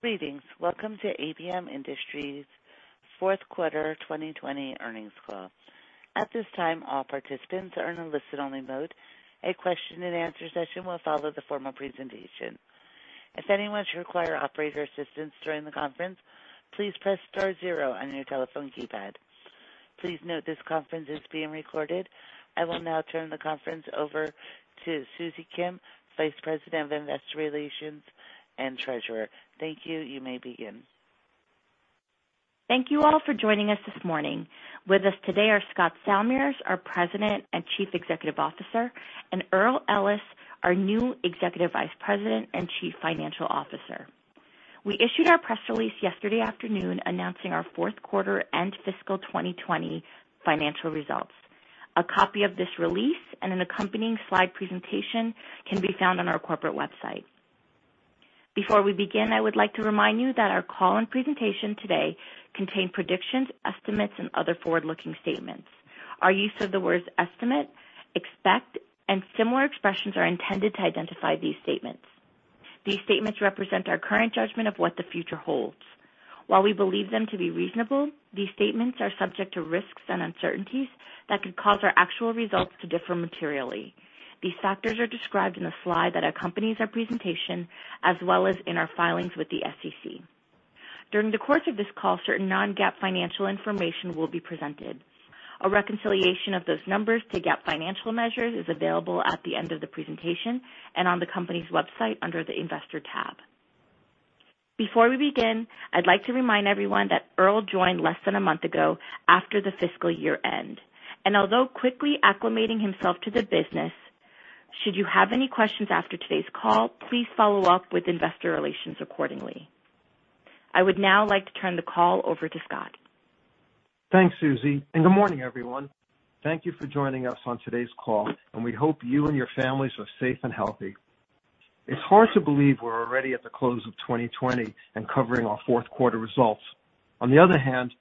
Greetings. Welcome to ABM Industries' fourth quarter 2020 earnings call. At this time, all participants are in listen-only mode. A question and answer session will follow the formal presentation. If anyone should require operator assistance during the conference, please press star zero on your telephone keypad. Please note this conference is being recorded. I will now turn the conference over to Susie Kim, Vice President of Investor Relations and Treasurer. Thank you. You may begin. Thank you all for joining us this morning. With us today are Scott Salmirs, our President and Chief Executive Officer, and Earl Ellis, our new Executive Vice President and Chief Financial Officer. We issued our press release yesterday afternoon announcing our fourth quarter and fiscal 2020 financial results. A copy of this release and an accompanying slide presentation can be found on our corporate website. Before we begin, I would like to remind you that our call and presentation today contain predictions, estimates, and other forward-looking statements. Our use of the words estimate, expect, and similar expressions are intended to identify these statements. These statements represent our current judgment of what the future holds. While we believe them to be reasonable, these statements are subject to risks and uncertainties that could cause our actual results to differ materially. These factors are described in the slide that accompanies our presentation, as well as in our filings with the SEC. During the course of this call, certain non-GAAP financial information will be presented. A reconciliation of those numbers to GAAP financial measures is available at the end of the presentation, and on the company's website under the investor tab. Before we begin, I'd like to remind everyone that Earl joined less than a month ago after the fiscal year-end. Although quickly acclimating himself to the business, should you have any questions after today's call, please follow up with investor relations accordingly. I would now like to turn the call over to Scott. Thanks, Susie, good morning, everyone. Thank you for joining us on today's call, and we hope you and your families are safe and healthy. It's hard to believe we're already at the close of 2020 and covering our fourth quarter results. On the other hand,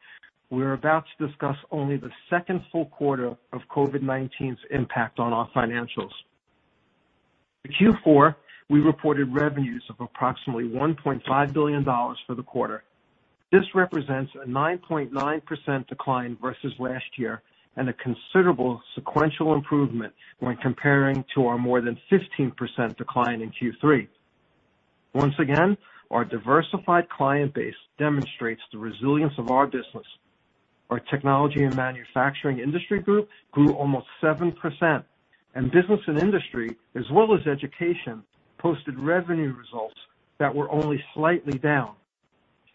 we're about to discuss only the second full quarter of COVID-19's impact on our financials. In Q4, we reported revenues of approximately $1.5 billion for the quarter. This represents a 9.9% decline versus last year and a considerable sequential improvement when comparing to our more than 15% decline in Q3. Once again, our diversified client base demonstrates the resilience of our business. Our Technology & Manufacturing industry group grew almost 7%, and Business & Industry, as well as Education, posted revenue results that were only slightly down.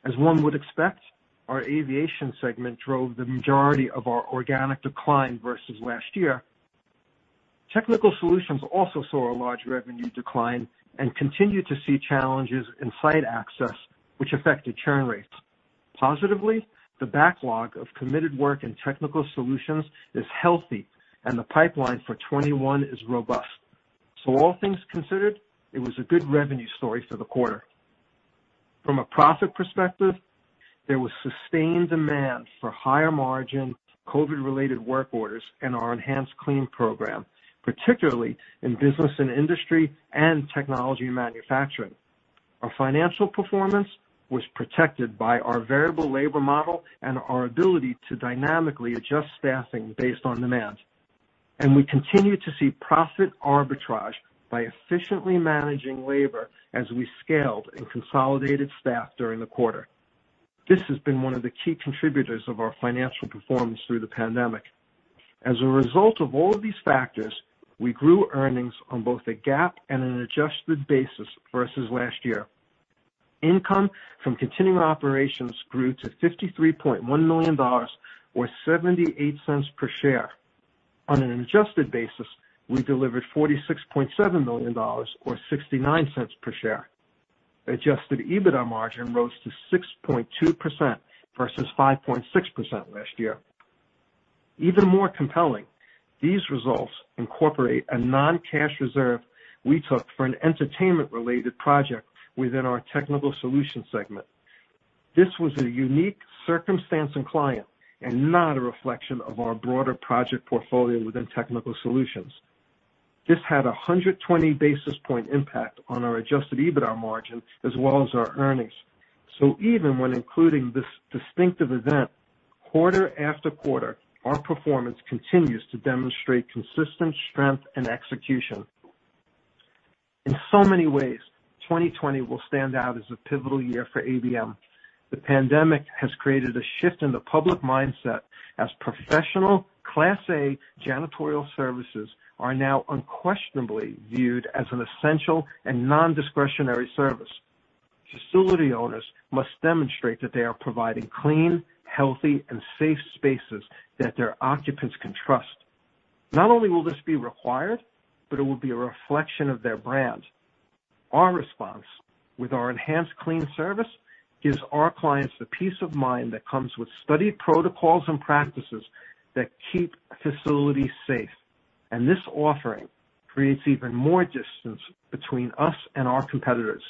As one would expect, our Aviation segment drove the majority of our organic decline versus last year. Technical Solutions also saw a large revenue decline and continued to see challenges in site access, which affected churn rates. Positively, the backlog of committed work and Technical Solutions is healthy, and the pipeline for 2021 is robust. All things considered, it was a good revenue story for the quarter. From a profit perspective, there was sustained demand for higher margin COVID-related work orders in our EnhancedClean program, particularly in Business & Industry and Technology & Manufacturing. Our financial performance was protected by our variable labor model and our ability to dynamically adjust staffing based on demand. We continued to see profit arbitrage by efficiently managing labor as we scaled and consolidated staff during the quarter. This has been one of the key contributors of our financial performance through the pandemic. As a result of all of these factors, we grew earnings on both a GAAP and an adjusted basis versus last year. Income from continuing operations grew to $53.1 million, or $0.78 per share. On an adjusted basis, we delivered $46.7 million or $0.69 per share. Adjusted EBITDA margin rose to 6.2% versus 5.6% last year. Even more compelling, these results incorporate a non-cash reserve we took for an entertainment-related project within our Technical Solutions segment. This was a unique circumstance and client, and not a reflection of our broader project portfolio within Technical Solutions. This had 120 basis point impact on our adjusted EBITDA margin as well as our earnings. Even when including this distinctive event, quarter after quarter, our performance continues to demonstrate consistent strength and execution. In so many ways, 2020 will stand out as a pivotal year for ABM. The pandemic has created a shift in the public mindset as professional Class A janitorial services are now unquestionably viewed as an essential and non-discretionary service. Facility owners must demonstrate that they are providing clean, healthy, and safe spaces that their occupants can trust. Not only will this be required, but it will be a reflection of their brand. Our response with our EnhancedClean service gives our clients the peace of mind that comes with studied protocols and practices that keep facilities safe. This offering creates even more distance between us and our competitors.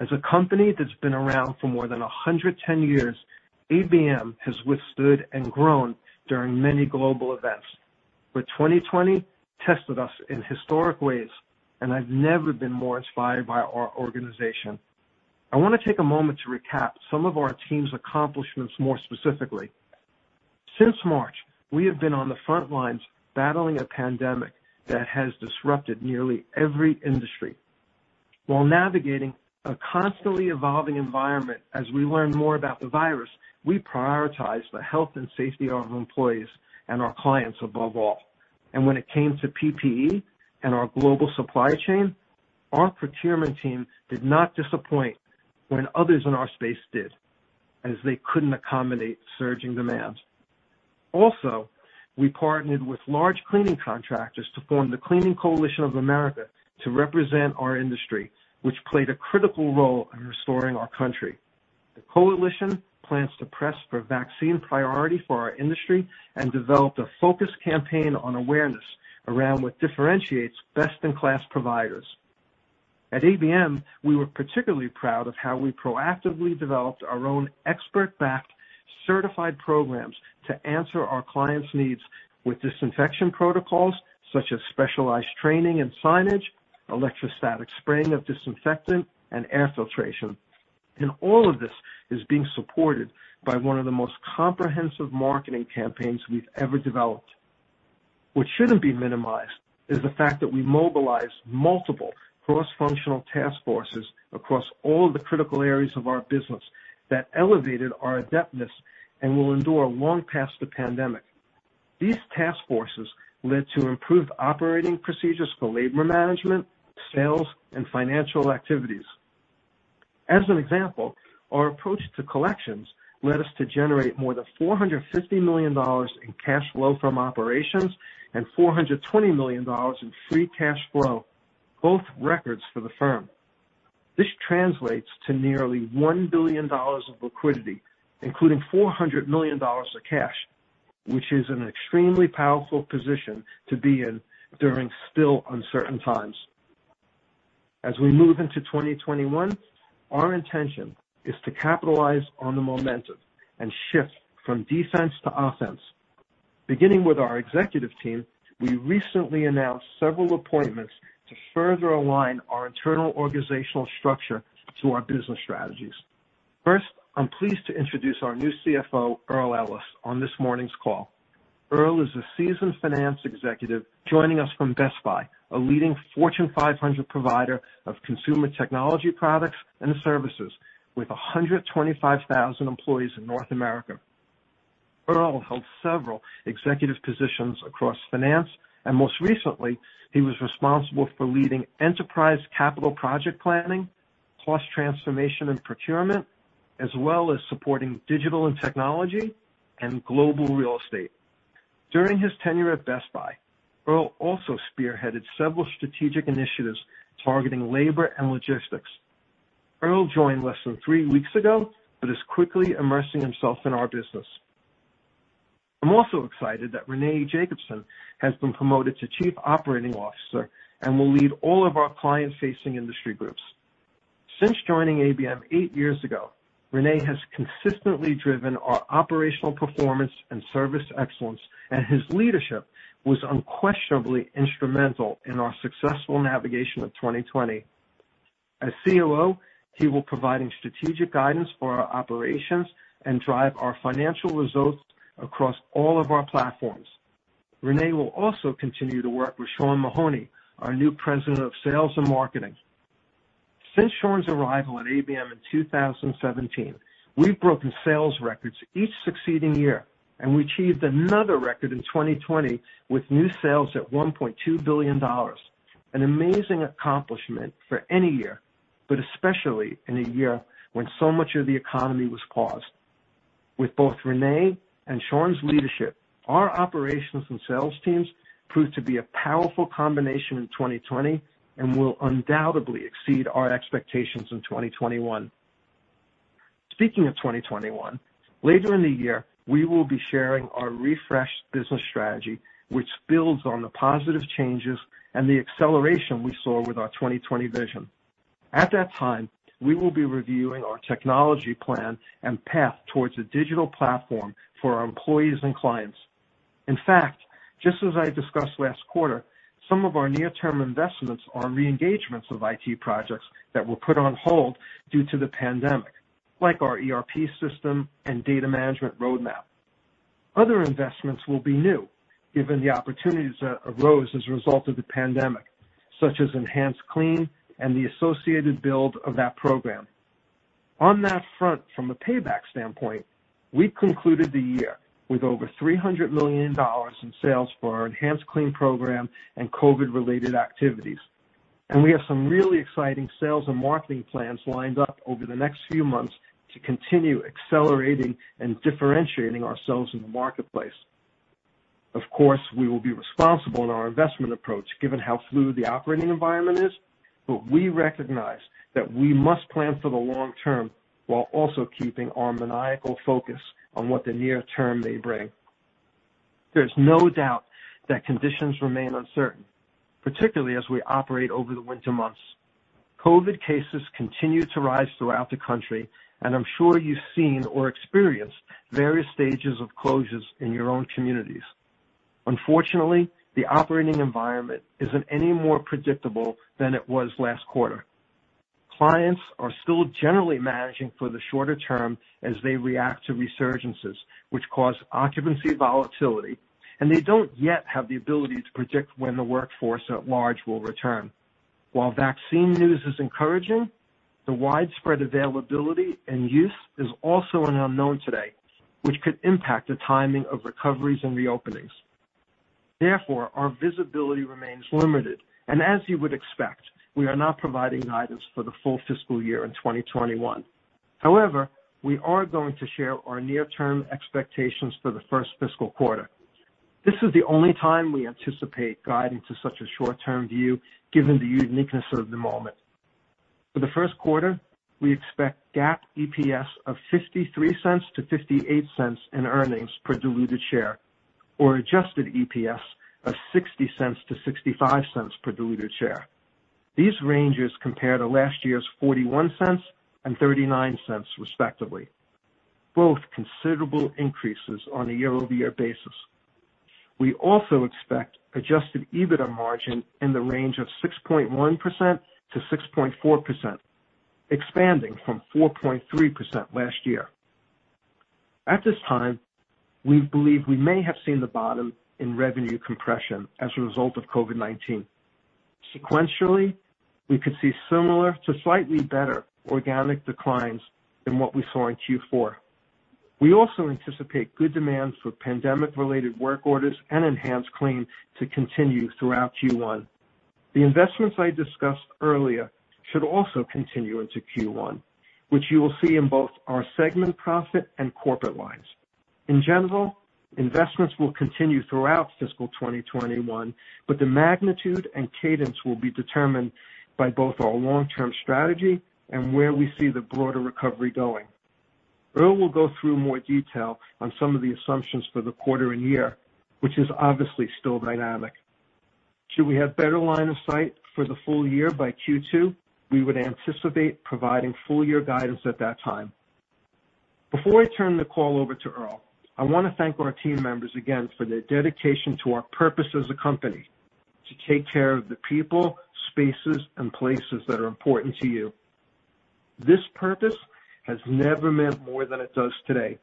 As a company that's been around for more than 110 years, ABM has withstood and grown during many global events. 2020 tested us in historic ways, and I've never been more inspired by our organization. I want to take a moment to recap some of our team's accomplishments more specifically. Since March, we have been on the front lines battling a pandemic that has disrupted nearly every industry. While navigating a constantly evolving environment as we learn more about the virus, we prioritize the health and safety of our employees and our clients above all. When it came to PPE and our global supply chain, our procurement team did not disappoint when others in our space did, as they couldn't accommodate surging demands. We partnered with large cleaning contractors to form the Cleaning Coalition of America to represent our industry, which played a critical role in restoring our country. The coalition plans to press for vaccine priority for our industry and developed a focused campaign on awareness around what differentiates best-in-class providers. At ABM, we were particularly proud of how we proactively developed our own expert-backed, certified programs to answer our clients' needs with disinfection protocols, such as specialized training and signage, electrostatic spraying of disinfectant, and air filtration. All of this is being supported by one of the most comprehensive marketing campaigns we've ever developed. What shouldn't be minimized is the fact that we mobilized multiple cross-functional task forces across all the critical areas of our business that elevated our adeptness and will endure long past the pandemic. These task forces led to improved operating procedures for labor management, sales, and financial activities. As an example, our approach to collections led us to generate more than $450 million in cash flow from operations and $420 million in free cash flow, both records for the firm. This translates to nearly $1 billion of liquidity, including $400 million of cash, which is an extremely powerful position to be in during still uncertain times. As we move into 2021, our intention is to capitalize on the momentum and shift from defense to offense. Beginning with our executive team, we recently announced several appointments to further align our internal organizational structure to our business strategies. First, I'm pleased to introduce our new CFO, Earl Ellis, on this morning's call. Earl is a seasoned finance executive joining us from Best Buy, a leading Fortune 500 provider of consumer technology products and services with 125,000 employees in North America. Earl held several executive positions across finance, and most recently, he was responsible for leading enterprise capital project planning, cost transformation and procurement, as well as supporting digital and technology and global real estate. During his tenure at Best Buy, Earl also spearheaded several strategic initiatives targeting labor and logistics. Earl joined less than three weeks ago but is quickly immersing himself in our business. I'm also excited that Rene Jacobsen has been promoted to Chief Operating Officer and will lead all of our client-facing industry groups. Since joining ABM eight years ago, Rene has consistently driven our operational performance and service excellence, and his leadership was unquestionably instrumental in our successful navigation of 2020. As COO, he will providing strategic guidance for our operations and drive our financial results across all of our platforms. Rene will also continue to work with Sean Mahoney, our new President of Sales and Marketing. Since Sean's arrival at ABM in 2017, we've broken sales records each succeeding year, and we achieved another record in 2020 with new sales at $1.2 billion. An amazing accomplishment for any year, but especially in a year when so much of the economy was paused. With both Rene and Sean's leadership, our operations and sales teams proved to be a powerful combination in 2020 and will undoubtedly exceed our expectations in 2021. Speaking of 2021, later in the year, we will be sharing our refreshed business strategy, which builds on the positive changes and the acceleration we saw with our 2020 Vision. At that time, we will be reviewing our technology plan and path towards a digital platform for our employees and clients. In fact, just as I discussed last quarter, some of our near-term investments are re-engagements of IT projects that were put on hold due to the pandemic, like our ERP system and data management roadmap. Other investments will be new given the opportunities that arose as a result of the pandemic, such as EnhancedClean and the associated build of that program. On that front, from a payback standpoint, we concluded the year with over $300 million in sales for our EnhancedClean program and COVID-related activities. We have some really exciting sales and marketing plans lined up over the next few months to continue accelerating and differentiating ourselves in the marketplace. Of course, we will be responsible in our investment approach given how fluid the operating environment is, but we recognize that we must plan for the long term while also keeping our maniacal focus on what the near term may bring. There's no doubt that conditions remain uncertain, particularly as we operate over the winter months. COVID cases continue to rise throughout the country, and I'm sure you've seen or experienced various stages of closures in your own communities. Unfortunately, the operating environment isn't any more predictable than it was last quarter. Clients are still generally managing for the shorter term as they react to resurgences, which cause occupancy volatility, and they don't yet have the ability to predict when the workforce at large will return. While vaccine news is encouraging, the widespread availability and use is also an unknown today, which could impact the timing of recoveries and reopenings. Therefore, our visibility remains limited, and as you would expect, we are not providing guidance for the full fiscal year in 2021. However, we are going to share our near-term expectations for the first fiscal quarter. This is the only time we anticipate guiding to such a short-term view, given the uniqueness of the moment. For the first quarter, we expect GAAP EPS of $0.53-$0.58 in earnings per diluted share or adjusted EPS of $0.60-$0.65 per diluted share. These ranges compare to last year's $0.41 and $0.39, respectively. Both considerable increases on a year-over-year basis. We also expect adjusted EBITDA margin in the range of 6.1%-6.4%, expanding from 4.3% last year. At this time, we believe we may have seen the bottom in revenue compression as a result of COVID-19. Sequentially, we could see similar to slightly better organic declines than what we saw in Q4. We also anticipate good demands for pandemic-related work orders and EnhancedClean to continue throughout Q1. The investments I discussed earlier should also continue into Q1, which you will see in both our segment profit and corporate lines. In general, investments will continue throughout fiscal 2021, but the magnitude and cadence will be determined by both our long-term strategy and where we see the broader recovery going. Earl will go through more detail on some of the assumptions for the quarter and year, which is obviously still dynamic. Should we have better line of sight for the full year by Q2, we would anticipate providing full-year guidance at that time. Before I turn the call over to Earl, I want to thank our team members again for their dedication to our purpose as a company to take care of the people, spaces, and places that are important to you. This purpose has never meant more than it does today.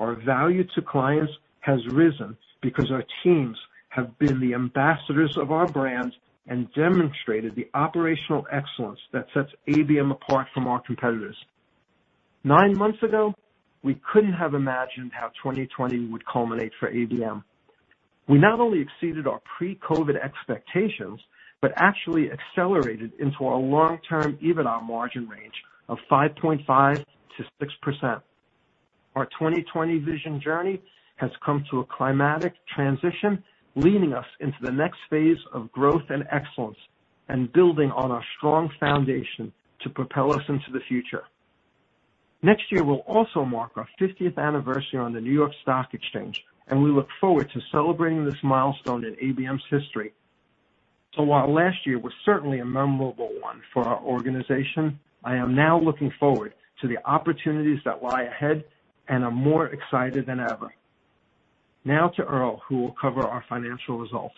Our value to clients has risen because our teams have been the ambassadors of our brand and demonstrated the operational excellence that sets ABM apart from our competitors. Nine months ago, we couldn't have imagined how 2020 would culminate for ABM. We not only exceeded our pre-COVID expectations, but actually accelerated into our long-term EBITDA margin range of 5.5%-6%. Our 2020 Vision Journey has come to a climactic transition, leading us into the next phase of growth and excellence and building on our strong foundation to propel us into the future. Next year will also mark our 50th anniversary on the New York Stock Exchange, and we look forward to celebrating this milestone in ABM's history. While last year was certainly a memorable one for our organization, I am now looking forward to the opportunities that lie ahead and am more excited than ever. To Earl, who will cover our financial results.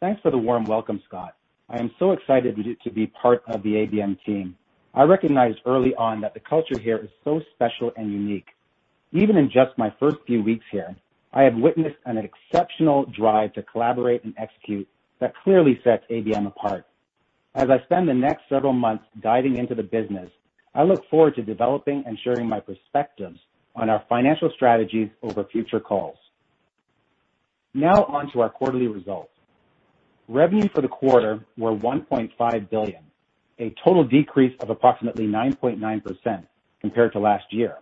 Thanks for the warm welcome, Scott. I am so excited to be part of the ABM team. I recognized early on that the culture here is so special and unique. Even in just my first few weeks here, I have witnessed an exceptional drive to collaborate and execute that clearly sets ABM apart. As I spend the next several months diving into the business, I look forward to developing and sharing my perspectives on our financial strategies over future calls. On to our quarterly results. Revenue for the quarter were $1.5 billion, a total decrease of approximately 9.9% compared to last year,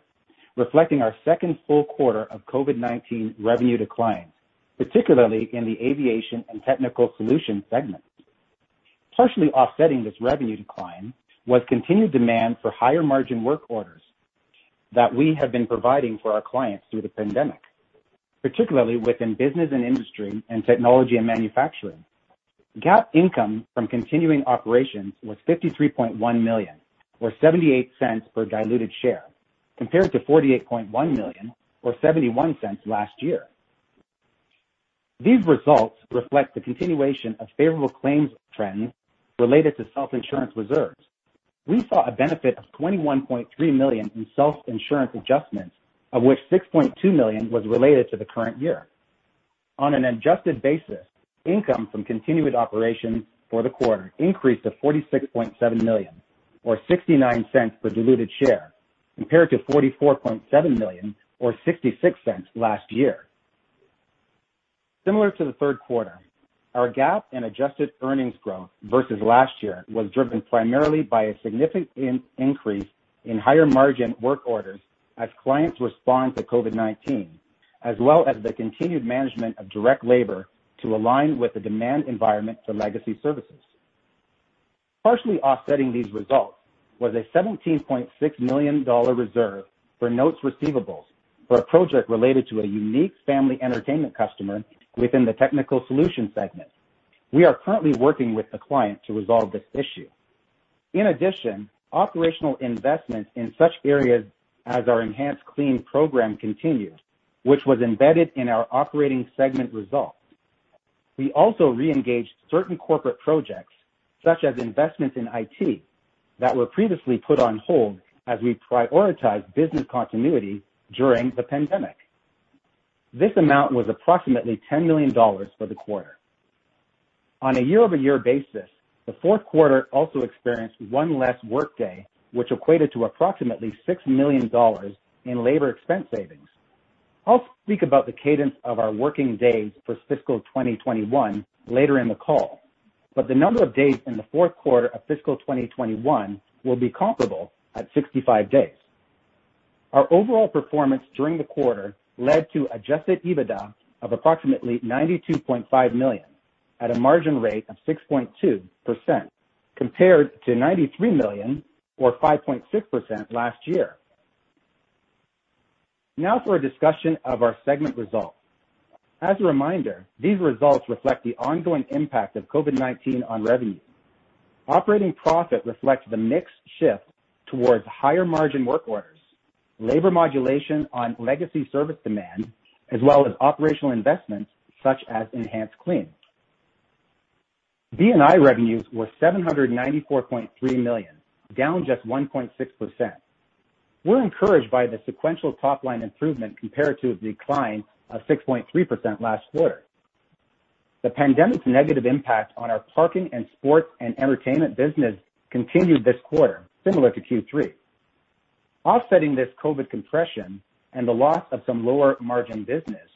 reflecting our second full quarter of COVID-19 revenue decline, particularly in the Aviation and Technical Solutions segments. Partially offsetting this revenue decline was continued demand for higher margin work orders that we have been providing for our clients through the pandemic, particularly within Business & Industry and Technology & Manufacturing. GAAP income from continuing operations was $53.1 million, or $0.78 per diluted share, compared to $48.1 million or $0.71 last year. These results reflect the continuation of favorable claims trends related to self-insurance reserves. We saw a benefit of $21.3 million in self-insurance adjustments, of which $6.2 million was related to the current year. On an adjusted basis, income from continued operations for the quarter increased to $46.7 million or $0.69 per diluted share, compared to $44.7 million or $0.66 last year. Similar to the third quarter, our GAAP and adjusted earnings growth versus last year was driven primarily by a significant increase in higher margin work orders as clients respond to COVID-19, as well as the continued management of direct labor to align with the demand environment for legacy services. Partially offsetting these results was a $17.6 million reserve for notes receivables for a project related to a unique family entertainment customer within the Technical Solutions segment. We are currently working with the client to resolve this issue. Operational investments in such areas as our EnhancedClean program continued, which was embedded in our operating segment results. We also re-engaged certain corporate projects, such as investments in IT, that were previously put on hold as we prioritized business continuity during the pandemic. This amount was approximately $10 million for the quarter. On a year-over-year basis, the fourth quarter also experienced one less workday, which equated to approximately $6 million in labor expense savings. I'll speak about the cadence of our working days for fiscal 2021 later in the call, but the number of days in the fourth quarter of fiscal 2021 will be comparable at 65 days. Our overall performance during the quarter led to adjusted EBITDA of approximately $92.5 million at a margin rate of 6.2%, compared to $93 million or 5.6% last year. For a discussion of our segment results. As a reminder, these results reflect the ongoing impact of COVID-19 on revenues. Operating profit reflects the mix shift towards higher margin work orders, labor modulation on legacy service demand, as well as operational investments such as EnhancedClean. B&I revenues were $794.3 million, down just 1.6%. We're encouraged by the sequential top-line improvement compared to a decline of 6.3% last quarter. The pandemic's negative impact on our parking and sports and entertainment business continued this quarter, similar to Q3. Offsetting this COVID compression and the loss of some lower margin business,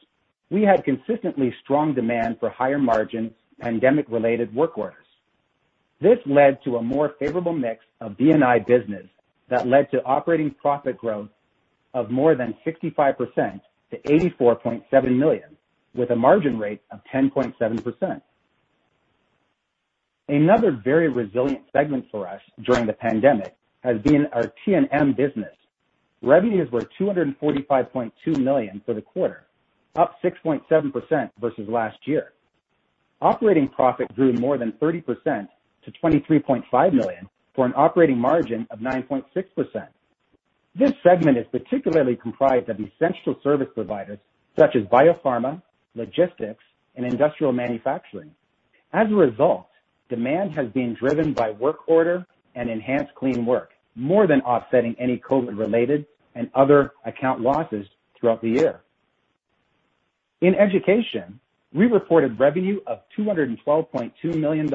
we had consistently strong demand for higher margin pandemic-related work orders. This led to a more favorable mix of B&I business that led to operating profit growth of more than 65% to $84.7 million, with a margin rate of 10.7%. Another very resilient segment for us during the pandemic has been our T&M business. Revenues were $245.2 million for the quarter, up 6.7% versus last year. Operating profit grew more than 30% to $23.5 million, for an operating margin of 9.6%. This segment is particularly comprised of essential service providers such as biopharma, logistics, and industrial manufacturing. As a result, demand has been driven by work order and EnhancedClean work, more than offsetting any COVID-related and other account losses throughout the year. In Education, we reported revenue of $212.2 million,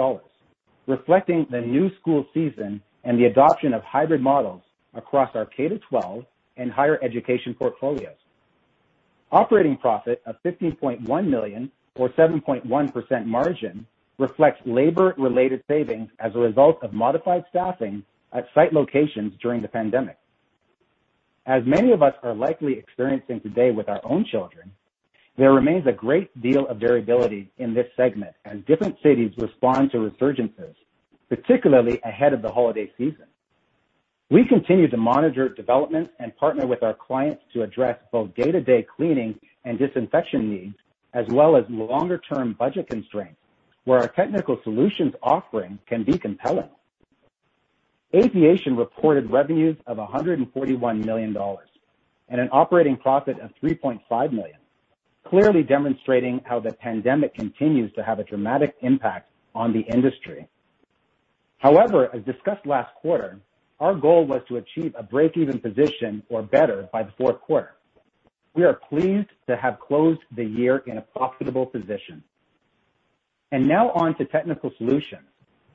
reflecting the new school season and the adoption of hybrid models across our K-12 and higher education portfolios. Operating profit of $15.1 million or 7.1% margin reflects labor-related savings as a result of modified staffing at site locations during the pandemic. As many of us are likely experiencing today with our own children, there remains a great deal of variability in this segment as different cities respond to resurgences, particularly ahead of the holiday season. We continue to monitor developments and partner with our clients to address both day-to-day cleaning and disinfection needs, as well as longer-term budget constraints, where our Technical Solutions offering can be compelling. Aviation reported revenues of $141 million and an operating profit of $3.5 million, clearly demonstrating how the pandemic continues to have a dramatic impact on the industry. However, as discussed last quarter, our goal was to achieve a break-even position or better by the fourth quarter. We are pleased to have closed the year in a profitable position. Now on to Technical Solutions,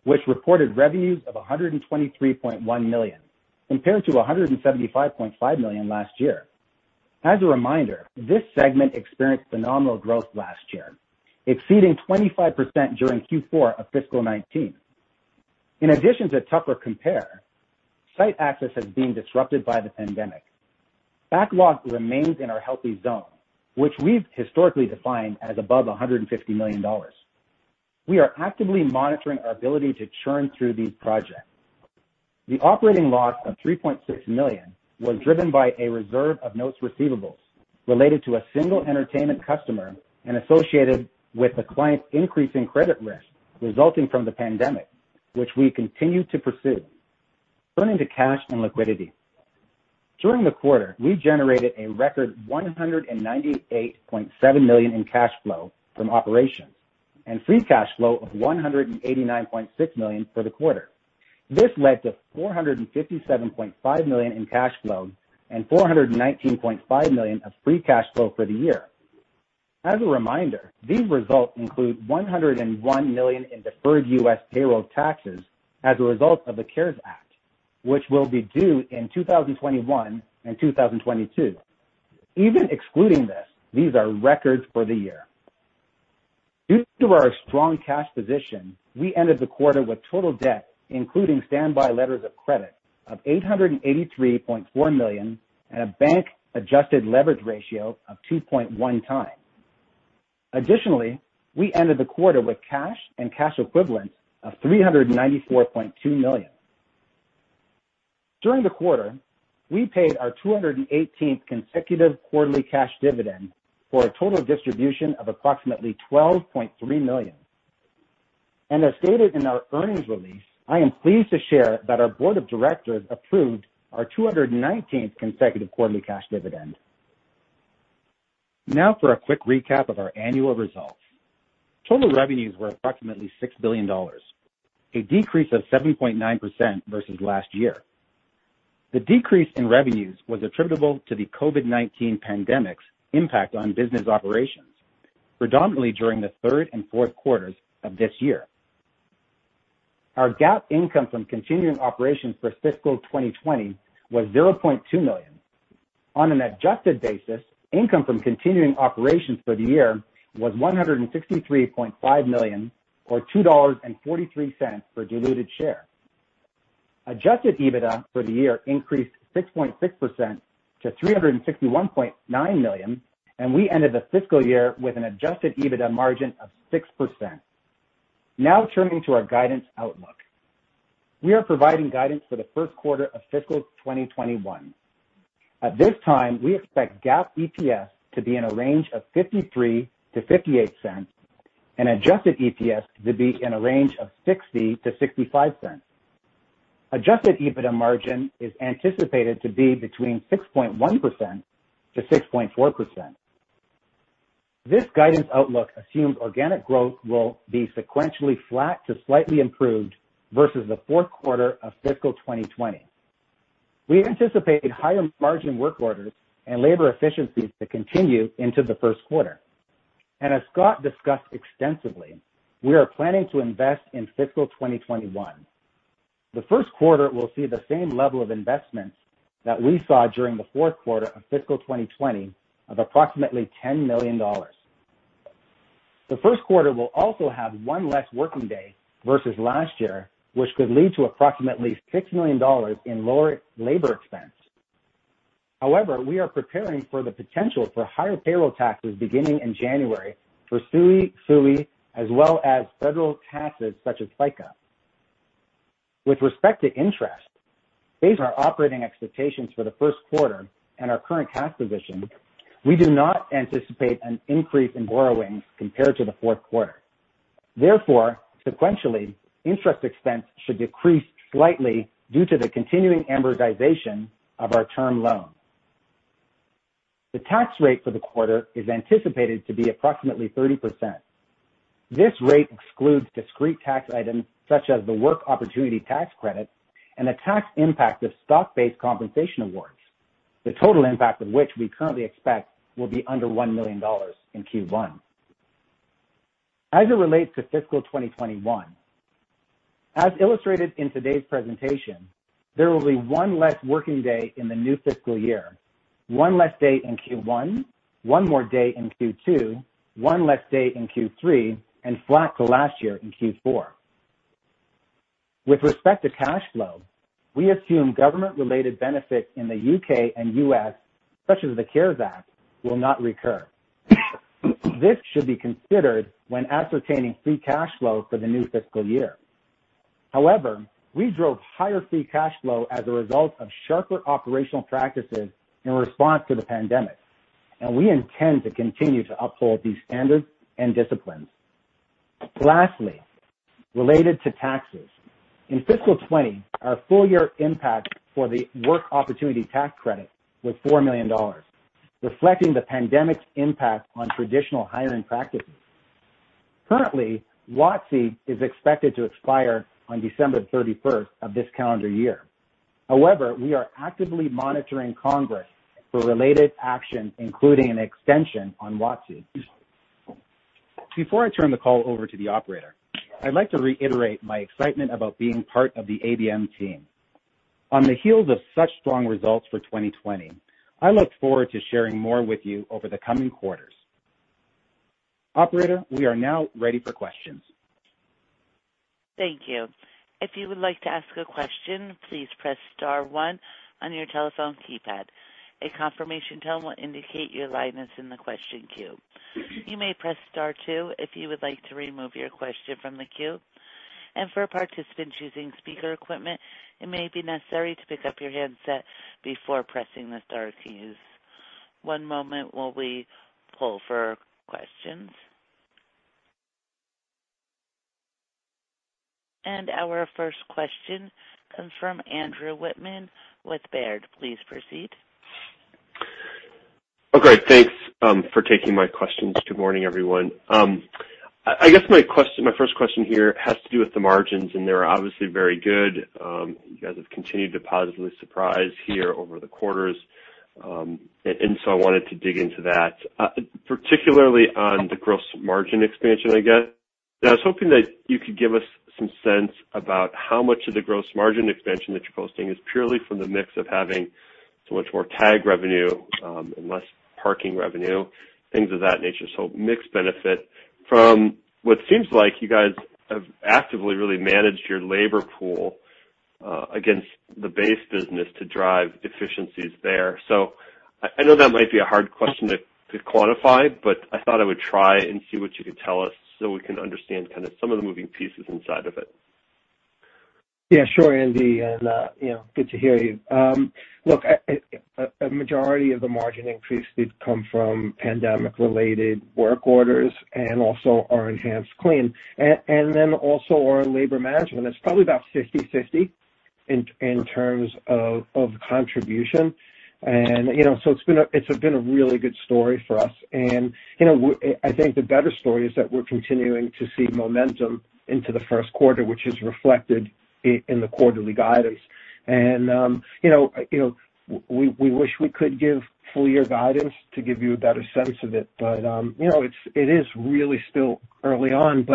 which reported revenues of $123.1 million, compared to $175.5 million last year. As a reminder, this segment experienced phenomenal growth last year, exceeding 25% during Q4 of fiscal 2019. In addition to tougher compare, site access has been disrupted by the pandemic. Backlog remains in our healthy zone, which we've historically defined as above $150 million. We are actively monitoring our ability to churn through these projects. The operating loss of $3.6 million was driven by a reserve of notes receivables related to a single entertainment customer and associated with the client's increasing credit risk resulting from the pandemic, which we continue to pursue. Turning to cash and liquidity. During the quarter, we generated a record $198.7 million in cash flow from operations and free cash flow of $189.6 million for the quarter. This led to $457.5 million in cash flow and $419.5 million of free cash flow for the year. As a reminder, these results include $101 million in deferred U.S. payroll taxes as a result of the CARES Act, which will be due in 2021 and 2022. Even excluding this, these are records for the year. Due to our strong cash position, we ended the quarter with total debt, including standby letters of credit, of $883.4 million and a bank adjusted leverage ratio of 2.1x. Additionally, we ended the quarter with cash and cash equivalents of $394.2 million. During the quarter, we paid our 218th consecutive quarterly cash dividend for a total distribution of approximately $12.3 million. As stated in our earnings release, I am pleased to share that our board of directors approved our 219th consecutive quarterly cash dividend. Now for a quick recap of our annual results. Total revenues were approximately $6 billion, a decrease of 7.9% versus last year. The decrease in revenues was attributable to the COVID-19 pandemic's impact on business operations, predominantly during the third and fourth quarters of this year. Our GAAP income from continuing operations for fiscal 2020 was $0.2 million. On an adjusted basis, income from continuing operations for the year was $163.5 million, or $2.43 per diluted share. Adjusted EBITDA for the year increased 6.6% to $361.9 million, and we ended the fiscal year with an adjusted EBITDA margin of 6%. Now turning to our guidance outlook. We are providing guidance for the first quarter of fiscal 2021. At this time, we expect GAAP EPS to be in a range of $0.53-$0.58, and adjusted EPS to be in a range of $0.60-$0.65. Adjusted EBITDA margin is anticipated to be between 6.1%-6.4%. This guidance outlook assumes organic growth will be sequentially flat to slightly improved versus the fourth quarter of fiscal 2020. As Scott discussed extensively, we are planning to invest in fiscal 2021. The first quarter will see the same level of investments that we saw during the fourth quarter of fiscal 2020 of approximately $10 million. The first quarter will also have one less working day versus last year, which could lead to approximately $6 million in lower labor expense. However, we are preparing for the potential for higher payroll taxes beginning in January for SUI, as well as federal taxes such as FICA. With respect to interest, based on our operating expectations for the first quarter and our current cash position, we do not anticipate an increase in borrowing compared to the fourth quarter. Therefore, sequentially, interest expense should decrease slightly due to the continuing amortization of our term loan. The tax rate for the quarter is anticipated to be approximately 30%. This rate excludes discrete tax items such as the Work Opportunity Tax Credit and the tax impact of stock-based compensation awards, the total impact of which we currently expect will be under $1 million in Q1. As it relates to fiscal 2021, as illustrated in today's presentation, there will be one less working day in the new fiscal year, one less day in Q1, one more day in Q2, one less day in Q3, and flat to last year in Q4. With respect to cash flow, we assume government-related benefits in the U.K. and U.S., such as the CARES Act, will not recur. This should be considered when ascertaining free cash flow for the new fiscal year. We drove higher free cash flow as a result of sharper operational practices in response to the pandemic, and we intend to continue to uphold these standards and disciplines. Lastly, related to taxes. In fiscal 2020, our full-year impact for the Work Opportunity Tax Credit was $4 million, reflecting the pandemic's impact on traditional hiring practices. Currently, WOTC is expected to expire on December 31st of this calendar year. We are actively monitoring Congress for related action, including an extension on WOTC. Before I turn the call over to the operator, I'd like to reiterate my excitement about being part of the ABM team. On the heels of such strong results for 2020, I look forward to sharing more with you over the coming quarters. Operator, we are now ready for questions. Thank you. Our first question comes from Andrew Wittmann with Baird. Please proceed. Okay. Thanks for taking my questions. Good morning, everyone. I guess my first question here has to do with the margins, and they are obviously very good. You guys have continued to positively surprise here over the quarters. I wanted to dig into that, particularly on the gross margin expansion, I guess. I was hoping that you could give us some sense about how much of the gross margin expansion that you're posting is purely from the mix of having so much more Tech revenue and less parking revenue, things of that nature. Mix benefit from what seems like you guys have actively really managed your labor pool against the base business to drive efficiencies there. I know that might be a hard question to quantify, but I thought I would try and see what you could tell us so we can understand kind of some of the moving pieces inside of it. Yeah, sure, Andy, good to hear you. Look, a majority of the margin increases come from pandemic-related work orders and also our EnhancedClean. Also our labor management. It's probably about 50/50 in terms of contribution. It's been a really good story for us. I think the better story is that we're continuing to see momentum into the first quarter, which is reflected in the quarterly guidance. We wish we could give full year guidance to give you a better sense of it, but it is really still early on.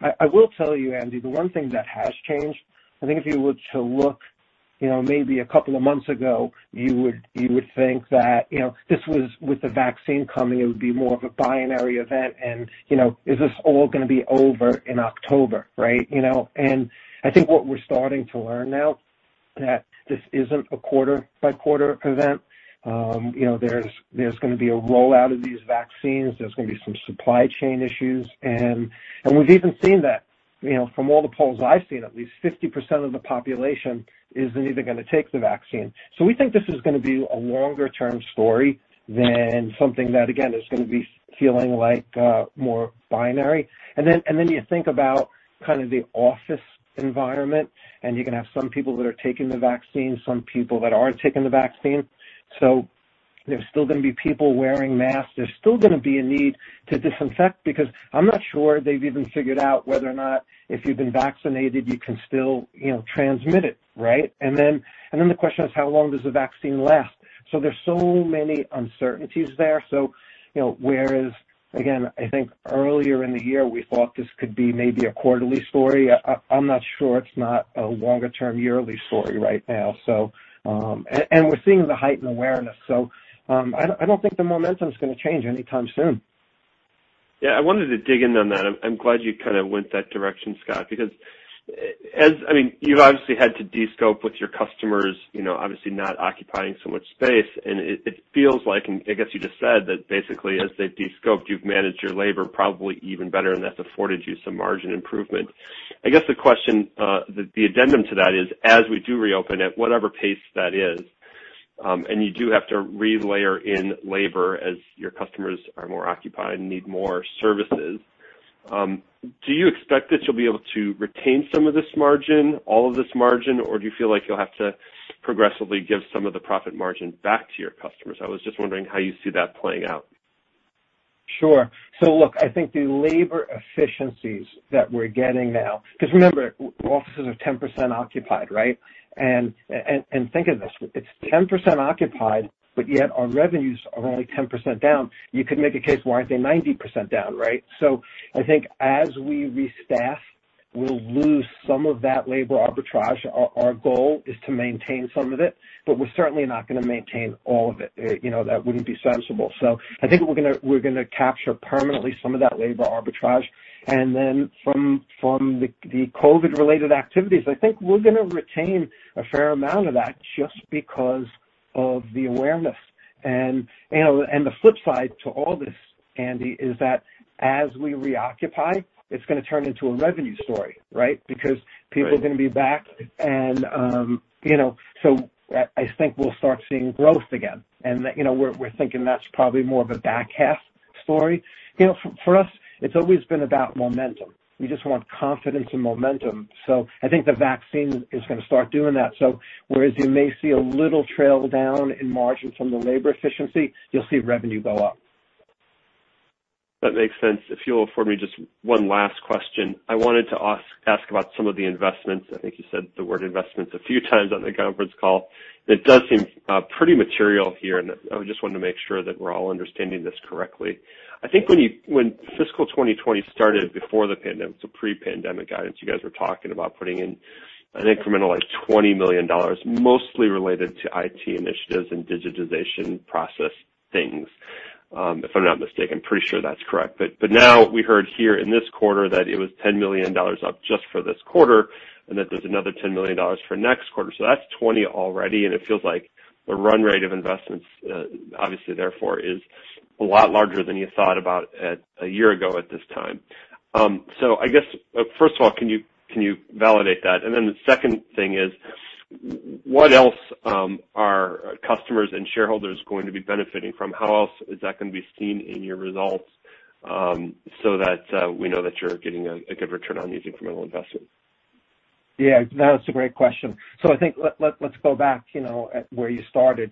I will tell you, Andy, the one thing that has changed, I think if you were to look maybe a couple of months ago, you would think that with the vaccine coming, it would be more of a binary event and is this all going to be over in October, right? I think what we're starting to learn now, that this isn't a quarter-by-quarter event. There's going to be a rollout of these vaccines. There's going to be some supply chain issues, and we've even seen that. From all the polls I've seen, at least 50% of the population isn't even going to take the vaccine. We think this is going to be a longer-term story than something that, again, is going to be feeling like more binary. You think about kind of the office environment, and you can have some people that are taking the vaccine, some people that aren't taking the vaccine. There's still going to be people wearing masks. There's still going to be a need to disinfect because I'm not sure they've even figured out whether or not if you've been vaccinated, you can still transmit it, right? The question is, how long does the vaccine last? There's so many uncertainties there. Whereas, again, I think earlier in the year, we thought this could be maybe a quarterly story. I'm not sure it's not a longer-term yearly story right now. We're seeing the heightened awareness, so I don't think the momentum's going to change anytime soon. Yeah, I wanted to dig in on that. I'm glad you kind of went that direction, Scott, because you've obviously had to de-scope with your customers obviously not occupying so much space, and it feels like, and I guess you just said that basically as they've de-scoped, you've managed your labor probably even better, and that's afforded you some margin improvement. I guess the question, the addendum to that is, as we do reopen at whatever pace that is, and you do have to relayer in labor as your customers are more occupied and need more services, do you expect that you'll be able to retain some of this margin, all of this margin, or do you feel like you'll have to progressively give some of the profit margin back to your customers? I was just wondering how you see that playing out. Sure. Look, I think the labor efficiencies that we're getting now, because remember, offices are 10% occupied, right? Think of this, it's 10% occupied, but yet our revenues are only 10% down. You could make a case, why aren't they 90% down, right? I think as we restaff, we'll lose some of that labor arbitrage. Our goal is to maintain some of it, but we're certainly not going to maintain all of it. That wouldn't be sensible. I think we're going to capture permanently some of that labor arbitrage. Then from the COVID-19-related activities, I think we're going to retain a fair amount of that just because of the awareness. The flip side to all this, Andy, is that as we reoccupy, it's going to turn into a revenue story, right? People are going to be back, I think we'll start seeing growth again. We're thinking that's probably more of a back half story. For us, it's always been about momentum. We just want confidence and momentum. I think the vaccine is going to start doing that. Whereas you may see a little trail down in margin from the labor efficiency, you'll see revenue go up. That makes sense. If you'll afford me just one last question. I wanted to ask about some of the investments. I think you said the word investments a few times on the conference call. It does seem pretty material here, and I just wanted to make sure that we're all understanding this correctly. I think when fiscal 2020 started before the pandemic, pre-pandemic guidance, you guys were talking about putting in an incremental like $20 million, mostly related to IT initiatives and digitization process things, if I'm not mistaken. Pretty sure that's correct. Now we heard here in this quarter that it was $10 million up just for this quarter, and that there's another $10 million for next quarter. That's $20 million already, and it feels like the run rate of investments, obviously, therefore, is a lot larger than you thought about a year ago at this time. I guess, first of all, can you validate that? The second thing is, what else are customers and shareholders going to be benefiting from? How else is that going to be seen in your results, so that we know that you're getting a good return on these incremental investments? Yeah, that's a great question. I think let's go back where you started.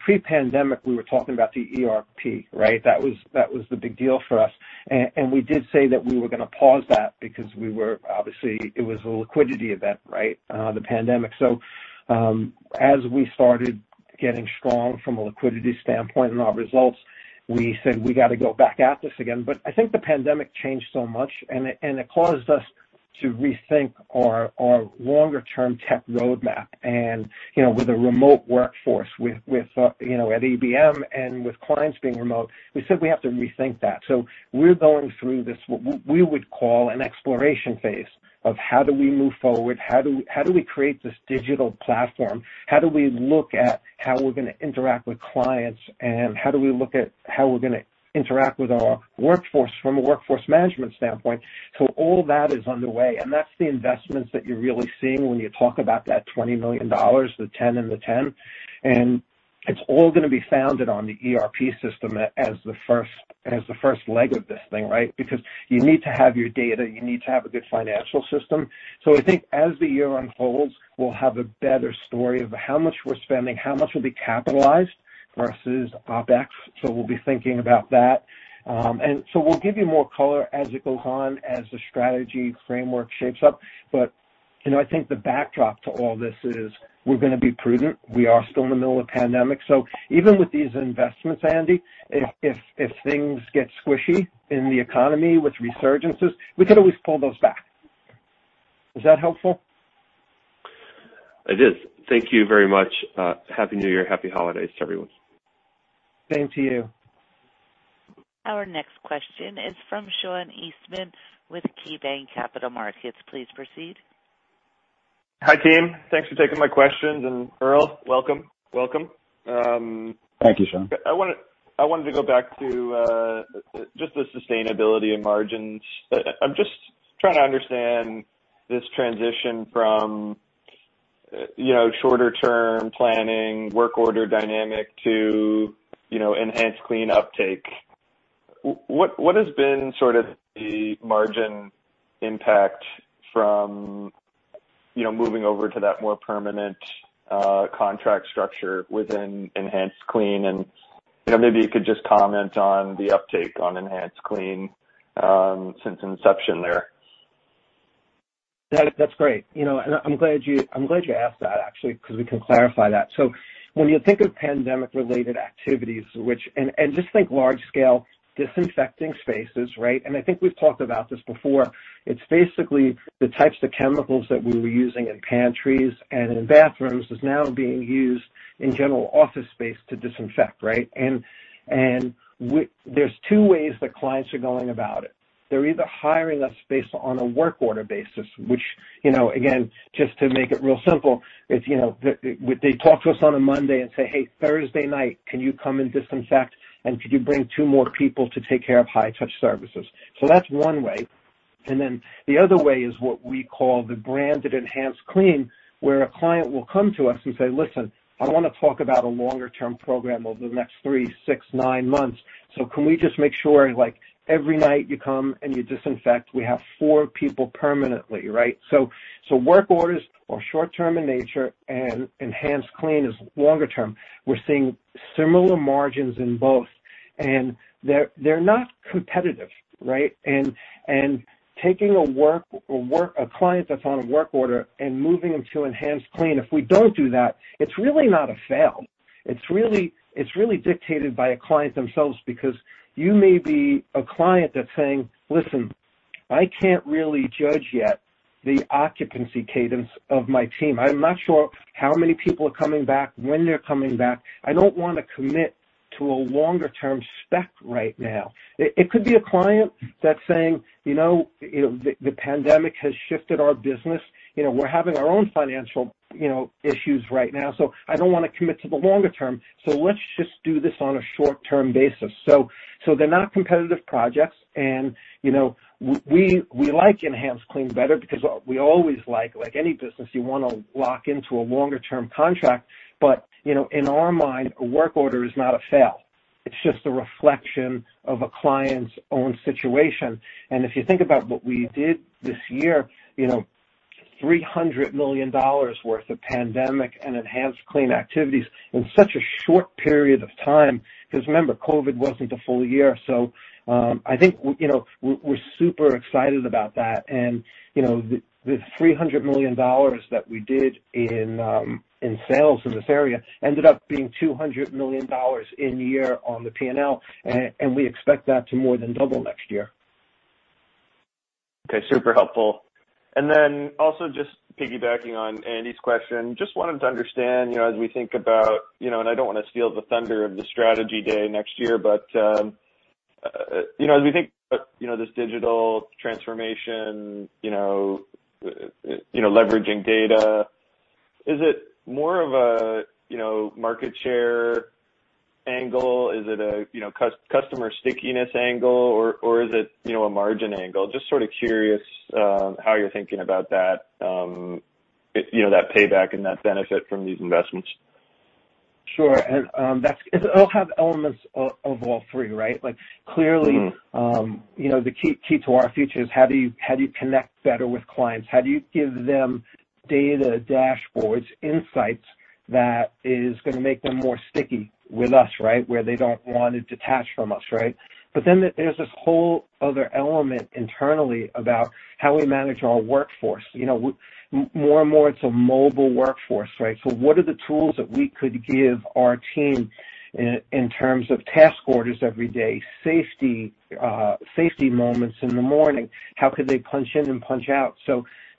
Pre-pandemic, we were talking about the ERP, right? That was the big deal for us. We did say that we were going to pause that because obviously, it was a liquidity event, right? The pandemic. As we started getting strong from a liquidity standpoint in our results, we said we got to go back at this again. I think the pandemic changed so much, and it caused us to rethink our longer-term tech roadmap, and with a remote workforce at ABM, and with clients being remote, we said we have to rethink that. We're going through this, what we would call an exploration phase of how do we move forward? How do we create this digital platform? How do we look at how we're going to interact with clients, and how do we look at how we're going to interact with our workforce from a workforce management standpoint? All that is underway, and that's the investments that you're really seeing when you talk about that $20 million, the $10 million and the $10 million. It's all going to be founded on the ERP system as the first leg of this thing, right? Because you need to have your data, you need to have a good financial system. I think as the year unfolds, we'll have a better story of how much we're spending, how much will be capitalized versus OpEx. We'll be thinking about that. We'll give you more color as it goes on, as the strategy framework shapes up. I think the backdrop to all this is we're going to be prudent. We are still in the middle of the pandemic. Even with these investments, Andy, if things get squishy in the economy with resurgences, we could always pull those back. Is that helpful? It is. Thank you very much. Happy New Year. Happy holidays to everyone. Same to you. Our next question is from Sean Eastman with KeyBanc Capital Markets. Please proceed. Hi, team. Thanks for taking my questions. Earl, welcome. Thank you, Sean. I wanted to go back to just the sustainability and margins. I'm just trying to understand this transition from shorter-term planning, work order dynamic to EnhancedClean uptake. What has been sort of the margin impact from moving over to that more permanent contract structure within EnhancedClean? Maybe you could just comment on the uptake on EnhancedClean since inception there. That's great. I'm glad you asked that, actually, because we can clarify that. When you think of pandemic-related activities, just think large-scale disinfecting spaces, right. I think we've talked about this before. It's basically the types of chemicals that we were using in pantries and in bathrooms is now being used in general office space to disinfect, right. There's two ways that clients are going about it. They're either hiring us based on a work order basis, which again, just to make it real simple, they talk to us on a Monday and say, "Hey, Thursday night, can you come and disinfect, and could you bring two more people to take care of high-touch services." That's one way. The other way is what we call the branded EnhancedClean, where a client will come to us and say, "Listen, I want to talk about a longer-term program over the next three, six, nine months. Can we just make sure every night you come and you disinfect? We have four people permanently," right. Work orders are short-term in nature, and EnhancedClean is longer term. We're seeing similar margins in both. They're not competitive, right. Taking a client that's on a work order and moving them to EnhancedClean, if we don't do that, it's really not a fail. It's really dictated by a client themselves because you may be a client that's saying, "Listen, I can't really judge yet the occupancy cadence of my team. I'm not sure how many people are coming back, when they're coming back. I don't want to commit to a longer-term spec right now." It could be a client that's saying, "The pandemic has shifted our business. We're having our own financial issues right now. I don't want to commit to the longer term. Let's just do this on a short-term basis." They're not competitive projects. We like EnhancedClean better because we always like any business, you want to lock into a longer-term contract. In our mind, a work order is not a fail. It's just a reflection of a client's own situation. If you think about what we did this year, $300 million worth of pandemic and EnhancedClean activities in such a short period of time. Because remember, COVID wasn't a full year. I think we're super excited about that. The $300 million that we did in sales in this area ended up being $200 million in year on the P&L, and we expect that to more than double next year. Okay. Super helpful. Also just piggybacking on Andy's question, just wanted to understand. I don't want to steal the thunder of the strategy day next year, as we think about this digital transformation, leveraging data, is it more of a market share angle? Is it a customer stickiness angle, or is it a margin angle? Just sort of curious how you're thinking about that payback and that benefit from these investments. Sure. It'll have elements of all three, right? Clearly the key to our future is how do you connect better with clients? How do you give them data dashboards, insights that is going to make them more sticky with us, right? Where they don't want to detach from us, right? Then there's this whole other element internally about how we manage our workforce. More and more it's a mobile workforce, right? What are the tools that we could give our team in terms of task orders every day, safety moments in the morning? How could they punch in and punch out?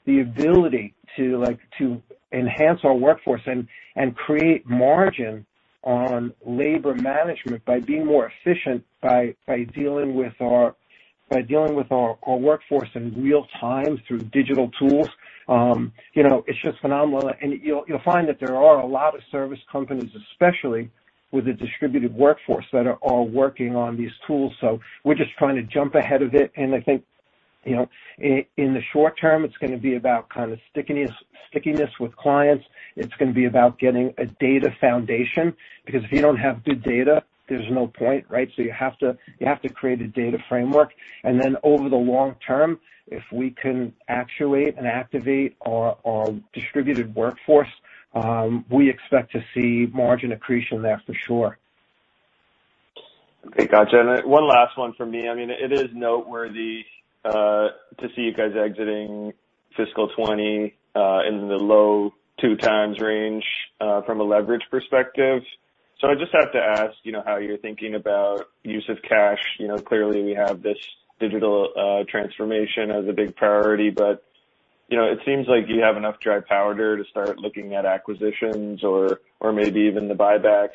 The ability to enhance our workforce and create margin on labor management by being more efficient by dealing with our workforce in real time through digital tools. It's just phenomenal, and you'll find that there are a lot of service companies, especially with a distributed workforce, that are all working on these tools. We're just trying to jump ahead of it, and I think, in the short term, it's going to be about stickiness with clients. It's going to be about getting a data foundation, because if you don't have good data, there's no point, right? You have to create a data framework. Over the long term, if we can actuate and activate our distributed workforce, we expect to see margin accretion there for sure. Okay. Got you. One last one from me. It is noteworthy to see you guys exiting fiscal 2020 in the low 2x range from a leverage perspective. I just have to ask, how you're thinking about use of cash. Clearly we have this digital transformation as a big priority, but it seems like you have enough dry powder to start looking at acquisitions or maybe even the buyback.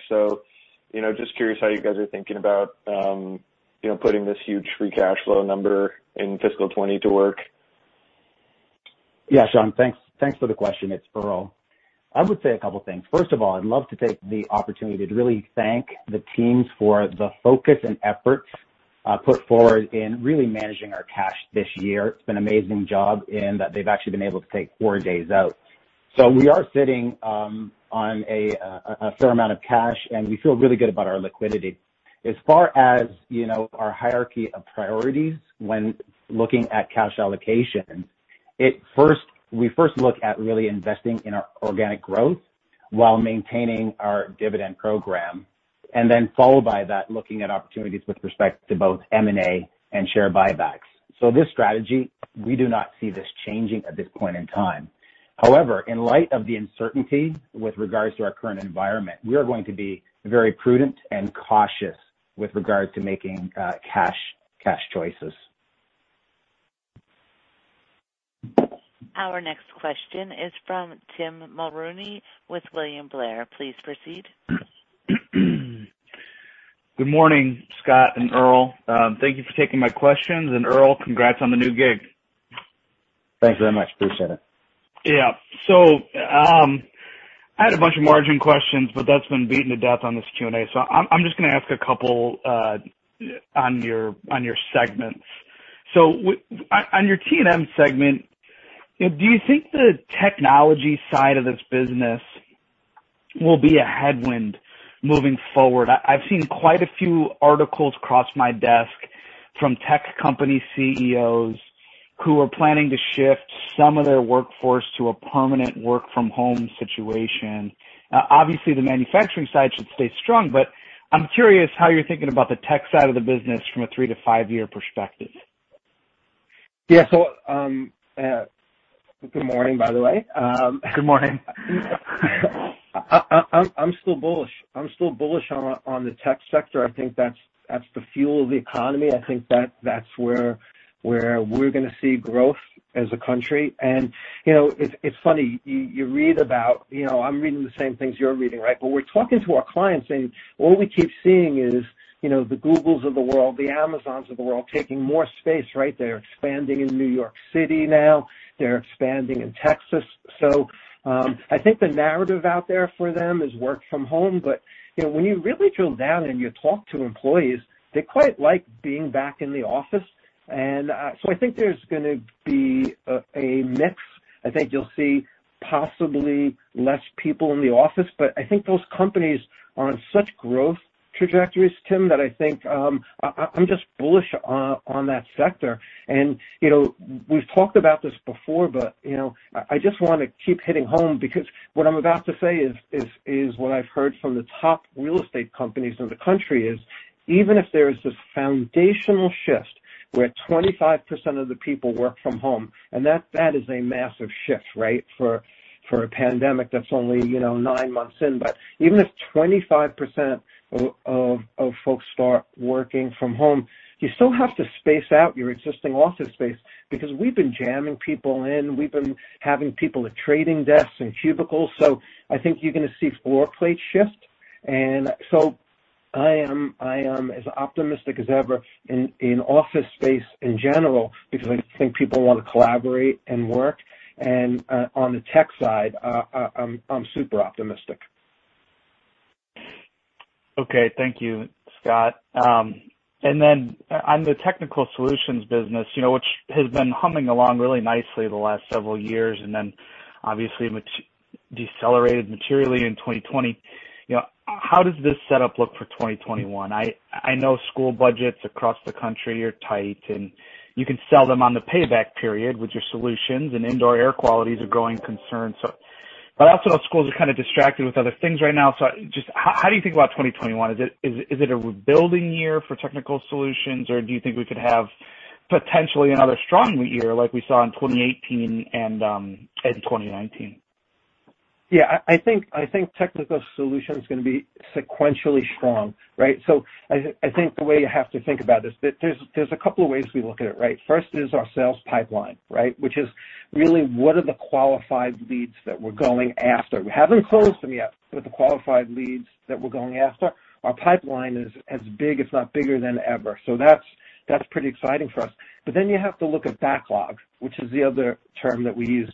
Just curious how you guys are thinking about putting this huge free cash flow number in fiscal 2020 to work. Sean, thanks for the question. It's Earl. I would say a couple things. First of all, I'd love to take the opportunity to really thank the teams for the focus and effort put forward in really managing our cash this year. It's been amazing job in that they've actually been able to take four days out. We are sitting on a fair amount of cash, and we feel really good about our liquidity. As far as our hierarchy of priorities when looking at cash allocation, we first look at really investing in our organic growth while maintaining our dividend program, and then followed by that, looking at opportunities with respect to both M&A and share buybacks. This strategy, we do not see this changing at this point in time. In light of the uncertainty with regards to our current environment, we are going to be very prudent and cautious with regards to making cash choices. Our next question is from Tim Mulrooney with William Blair. Please proceed. Good morning, Scott and Earl. Thank you for taking my questions. Earl, congrats on the new gig. Thanks very much. Appreciate it. Yeah. I had a bunch of margin questions, but that's been beaten to death on this Q&A. I'm just going to ask a couple on your segments. On your T&M segment, do you think the technology side of this business will be a headwind moving forward? I've seen quite a few articles cross my desk from tech company CEOs who are planning to shift some of their workforce to a permanent work from home situation. Obviously, the manufacturing side should stay strong, I'm curious how you're thinking about the tech side of the business from a three-five-year perspective. Yeah. Good morning, by the way. Good morning. I'm still bullish on the tech sector. I think that's the fuel of the economy. I think that's where we're going to see growth as a country. It's funny, I'm reading the same things you're reading, right? We're talking to our clients, and all we keep seeing is the Googles of the world, the Amazons of the world, taking more space, right? They're expanding in New York City now. They're expanding in Texas. I think the narrative out there for them is work from home. When you really drill down and you talk to employees, they quite like being back in the office. I think there's going to be a mix. I think you'll see possibly less people in the office, but I think those companies are on such growth trajectories, Tim, that I think I'm just bullish on that sector. We've talked about this before, but I just want to keep hitting home because what I'm about to say is what I've heard from the top real estate companies in the country is, even if there is this foundational shift where 25% of the people work from home, and that is a massive shift, right? For a pandemic that's only nine months in. Even if 25% of folks start working from home, you still have to space out your existing office space because we've been jamming people in. We've been having people at trading desks and cubicles. I think you're going to see floor plate shift. I am as optimistic as ever in office space in general because I think people want to collaborate and work. On the tech side, I'm super optimistic. Okay. Thank you, Scott. On the Technical Solutions business, which has been humming along really nicely the last several years, obviously decelerated materially in 2020. How does this setup look for 2021? I know school budgets across the country are tight, and you can sell them on the payback period with your solutions and indoor air quality is a growing concern. Schools are kind of distracted with other things right now. Just how do you think about 2021? Is it a rebuilding year for Technical Solutions, or do you think we could have potentially another strong year like we saw in 2018 and 2019? Yeah, I think Technical Solutions is going to be sequentially strong, right? I think the way you have to think about this, there's a couple of ways we look at it, right? First is our sales pipeline, right? Which is really, what are the qualified leads that we're going after? We haven't closed them yet, but the qualified leads that we're going after, our pipeline is as big, if not bigger than ever. That's pretty exciting for us. You have to look at backlog, which is the other term that we use.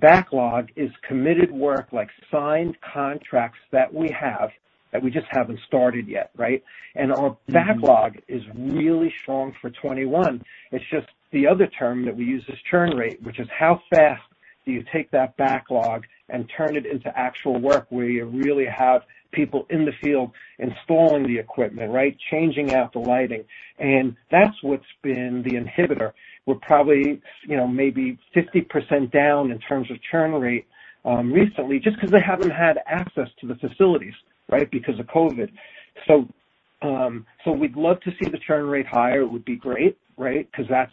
Backlog is committed work, like signed contracts that we have that we just haven't started yet, right? Our backlog is really strong for 2021. It's just the other term that we use is churn rate, which is how fast do you take that backlog and turn it into actual work where you really have people in the field installing the equipment, right? Changing out the lighting. That's what's been the inhibitor. We're probably maybe 50% down in terms of churn rate recently, just because they haven't had access to the facilities, right? Because of COVID. We'd love to see the churn rate higher. It would be great, right? Because that's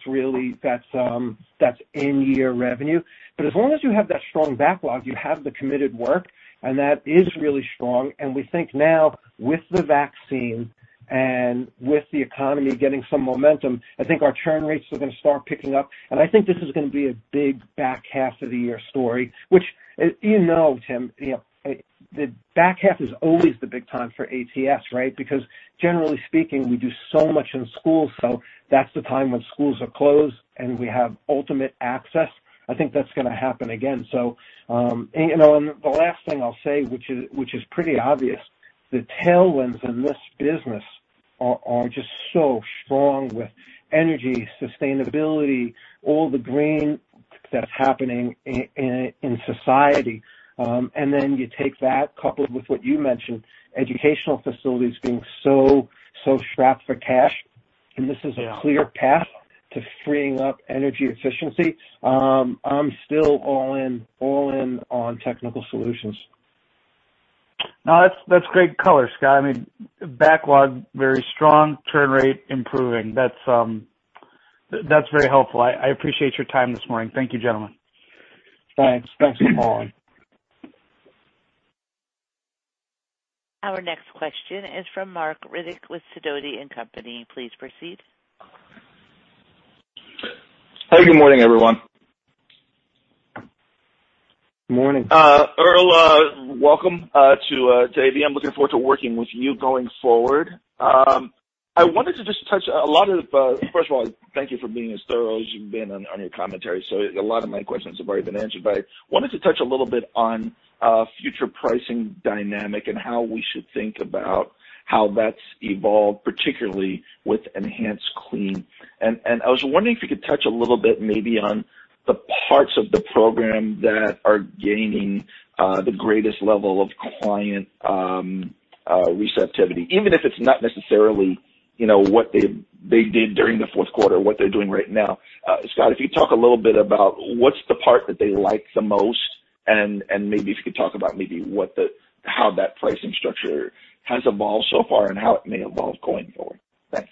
in-year revenue. As long as you have that strong backlog, you have the committed work, and that is really strong. We think now with the vaccine and with the economy getting some momentum, I think our churn rates are going to start picking up. I think this is going to be a big back half of the year story, which you know, Tim, the back half is always the big time for ATS, right? Generally speaking, we do so much in schools, so that's the time when schools are closed, and we have ultimate access. I think that's going to happen again. The last thing I'll say, which is pretty obvious, the tailwinds in this business are just so strong with energy, sustainability, all the green that's happening in society. You take that coupled with what you mentioned, educational facilities being so strapped for cash. Yeah. This is a clear path to freeing up energy efficiency. I'm still all in on Technical Solutions. No, that's great color, Scott. Backlog very strong. Churn rate improving. That's very helpful. I appreciate your time this morning. Thank you, gentlemen. Thanks. Thanks, Tim. Our next question is from Marc Riddick with Sidoti & Company. Please proceed. Hey, good morning, everyone. Morning. Earl, welcome to ABM. Looking forward to working with you going forward. First of all, thank you for being as thorough as you've been on your commentary. A lot of my questions have already been answered, but I wanted to touch a little bit on future pricing dynamic and how we should think about how that's evolved, particularly with EnhancedClean. I was wondering if you could touch a little bit maybe on the parts of the program that are gaining the greatest level of client receptivity, even if it's not necessarily what they did during the fourth quarter, what they're doing right now. Scott, if you could talk a little bit about what's the part that they like the most, and maybe if you could talk about maybe how that pricing structure has evolved so far and how it may evolve going forward. Thanks.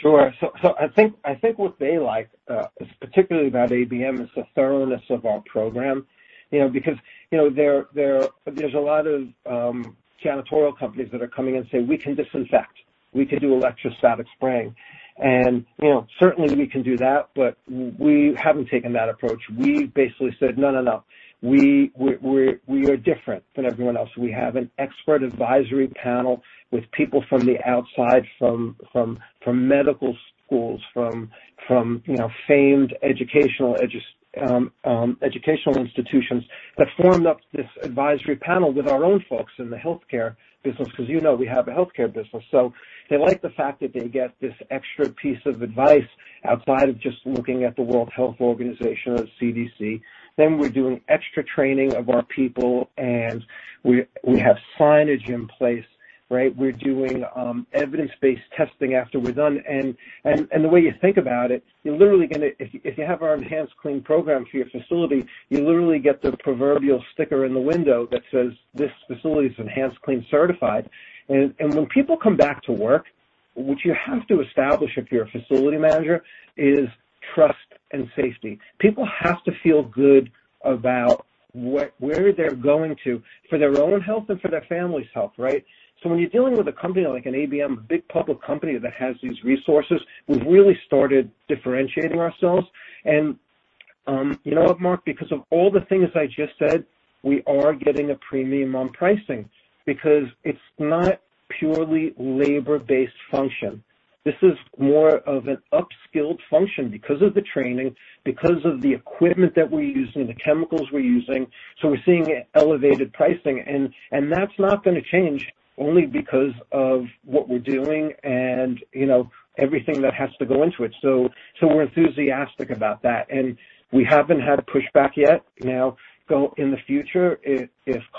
Sure. I think what they like, particularly about ABM, is the thoroughness of our program. There's a lot of janitorial companies that are coming and saying, "We can disinfect. We can do electrostatic spraying." Certainly we can do that, but we haven't taken that approach. We basically said, "No, no. We are different than everyone else." We have an expert advisory panel with people from the outside, from medical schools, from famed educational institutions that formed up this advisory panel with our own folks in the healthcare business, you know we have a healthcare business. They like the fact that they get this extra piece of advice outside of just looking at the World Health Organization or the CDC. We're doing extra training of our people, and we have signage in place, right? We're doing evidence-based testing after we're done. The way you think about it, if you have our EnhancedClean program for your facility, you literally get the proverbial sticker in the window that says, "This facility is EnhancedClean certified." When people come back to work, what you have to establish if you're a facility manager is trust and safety. People have to feel good about where they're going to for their own health and for their family's health, right? When you're dealing with a company like an ABM, a big public company that has these resources, we've really started differentiating ourselves. You know what, Marc? Because of all the things I just said, we are getting a premium on pricing because it's not purely labor-based function. This is more of an upskilled function because of the training, because of the equipment that we're using, the chemicals we're using. We're seeing elevated pricing, and that's not going to change only because of what we're doing and everything that has to go into it. We're enthusiastic about that, and we haven't had a pushback yet. Now, in the future, if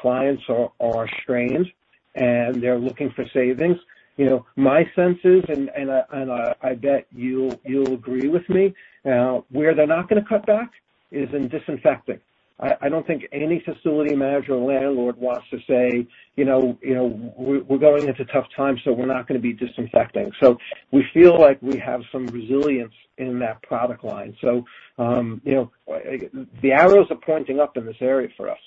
clients are strained and they're looking for savings, my sense is, and I bet you'll agree with me, where they're not going to cut back is in disinfecting. I don't think any facility manager or landlord wants to say, "We're going into tough times, so we're not going to be disinfecting." We feel like we have some resilience in that product line. The arrows are pointing up in this area for us.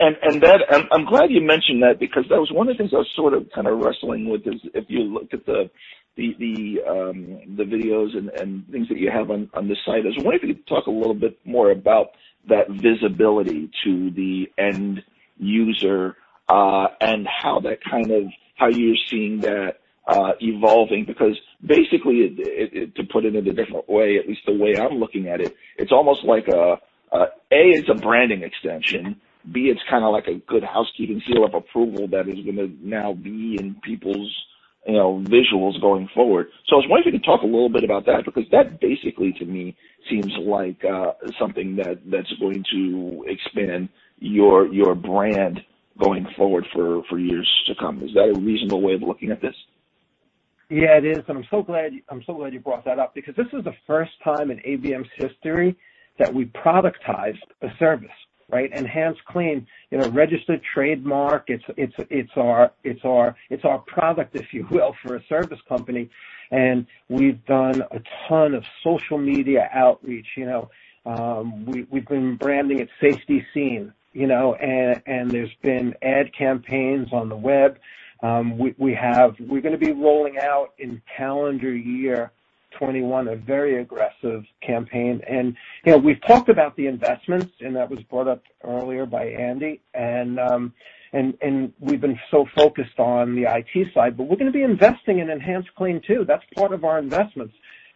I'm glad you mentioned that because that was one of the things I was sort of wrestling with is if you look at the videos and things that you have on the site. I was wondering if you could talk a little bit more about that visibility to the end user, and how you're seeing that evolving. Basically, to put it in a different way, at least the way I'm looking at it's almost like, A, it's a branding extension, B, it's kind of like a good housekeeping seal of approval that is going to now be in people's visuals going forward. I was wondering if you could talk a little bit about that, because that basically to me seems like something that's going to expand your brand going forward for years to come. Is that a reasonable way of looking at this? Yeah, it is. I'm so glad you brought that up because this is the first time in ABM's history that we productized a service, right? EnhancedClean. It's our product, if you will, for a service company, and we've done a ton of social media outreach. We've been branding it Safety Seen, and there's been ad campaigns on the web. We're going to be rolling out in calendar year 2021, a very aggressive campaign. We've talked about the investments, and that was brought up earlier by Andy. We've been so focused on the IT side, but we're going to be investing in EnhancedClean, too. That's part of our investments.